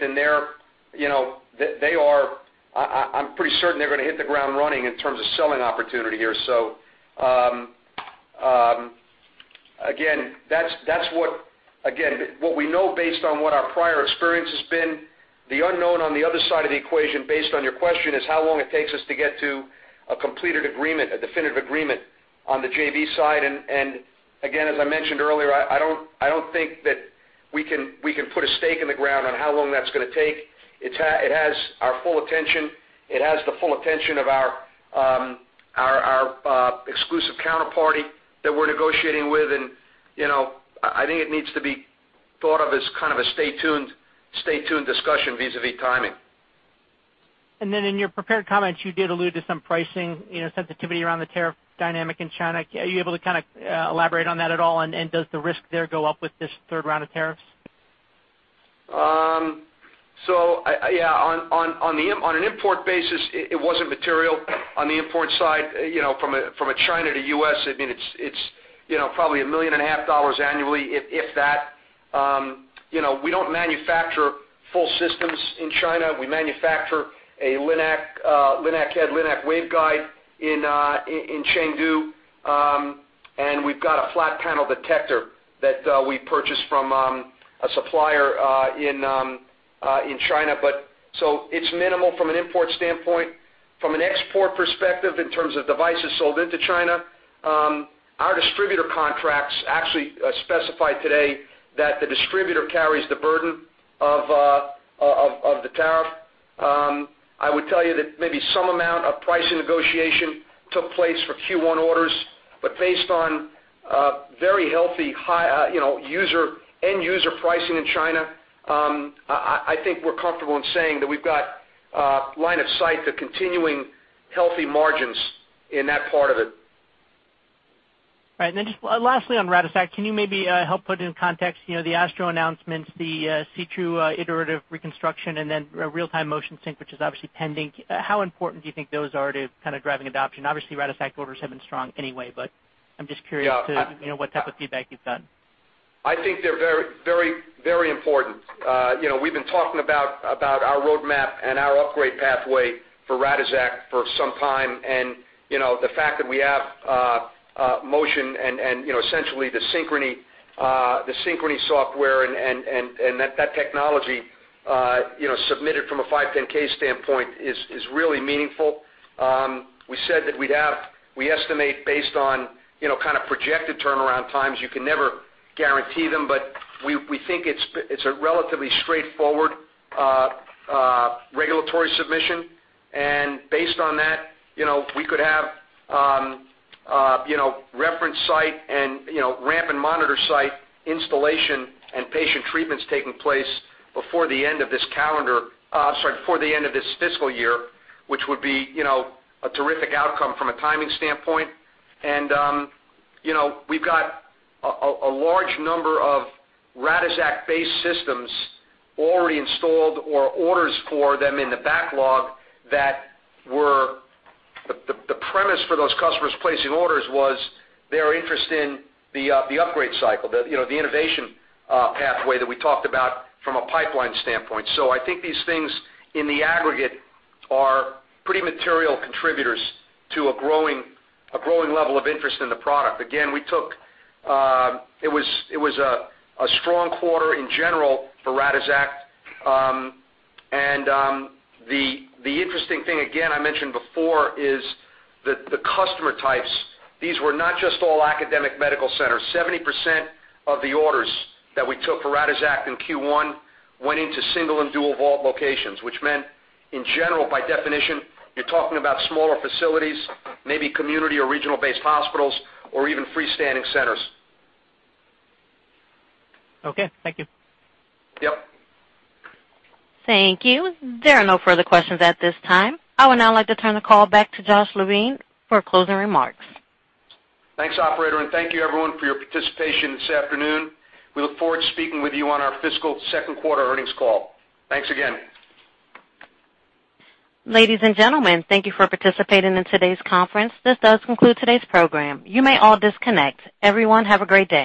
I'm pretty certain they're going to hit the ground running in terms of selling opportunity here. Again, what we know based on what our prior experience has been, the unknown on the other side of the equation based on your question is how long it takes us to get to a completed agreement, a definitive agreement on the JV side. Again, as I mentioned earlier, I don't think that we can put a stake in the ground on how long that's going to take. It has our full attention. It has the full attention of our exclusive counterparty that we're negotiating with, I think it needs to be thought of as kind of a stay tuned discussion vis-à-vis timing. In your prepared comments, you did allude to some pricing sensitivity around the tariff dynamic in China. Are you able to kind of elaborate on that at all? Does the risk there go up with this third round of tariffs? On an import basis, it wasn't material on the import side from a China to U.S. It's probably a million and a half dollars annually if that. We don't manufacture full systems in China. We manufacture a linac head, linac waveguide in Chengdu, and we've got a flat panel detector that we purchase from a supplier in China. It's minimal from an import standpoint. From an export perspective, in terms of devices sold into China, our distributor contracts actually specify today that the distributor carries the burden of the tariff. I would tell you that maybe some amount of pricing negotiation took place for Q1 orders, based on very healthy end user pricing in China, I think we're comfortable in saying that we've got line of sight to continuing healthy margins in that part of it. All right. Just lastly on Radixact, can you maybe help put in context the ASTRO announcements, the CTrue iterative reconstruction, and real-time motion sync, which is obviously pending. How important do you think those are to kind of driving adoption? Obviously, Radixact orders have been strong anyway, I'm just curious to what type of feedback you've gotten. I think they're very important. We've been talking about our roadmap and our upgrade pathway for Radixact for some time, the fact that we have motion and essentially the Synchrony software and that technology submitted from a 510 standpoint is really meaningful. We said that we estimate based on kind of projected turnaround times. You can never guarantee them, we think it's a relatively straightforward regulatory submission. Based on that, we could have reference site and ramp and monitor site installation and patient treatments taking place before the end of this fiscal year, which would be a terrific outcome from a timing standpoint. We've got a large number of Radixact-based systems already installed or orders for them in the backlog that the premise for those customers placing orders was their interest in the upgrade cycle, the innovation pathway that we talked about from a pipeline standpoint. I think these things in the aggregate are pretty material contributors to a growing level of interest in the product. Again, it was a strong quarter in general for Radixact. The interesting thing, again, I mentioned before, is the customer types. These were not just all academic medical centers. 70% of the orders that we took for Radixact in Q1 went into single and dual vault locations, which meant in general, by definition, you're talking about smaller facilities, maybe community or regional-based hospitals or even freestanding centers. Okay. Thank you. Yep. Thank you. There are no further questions at this time. I would now like to turn the call back to Joshua Levine for closing remarks. Thanks, operator, and thank you everyone for your participation this afternoon. We look forward to speaking with you on our fiscal second quarter earnings call. Thanks again. Ladies and gentlemen, thank you for participating in today's conference. This does conclude today's program. You may all disconnect. Everyone, have a great day.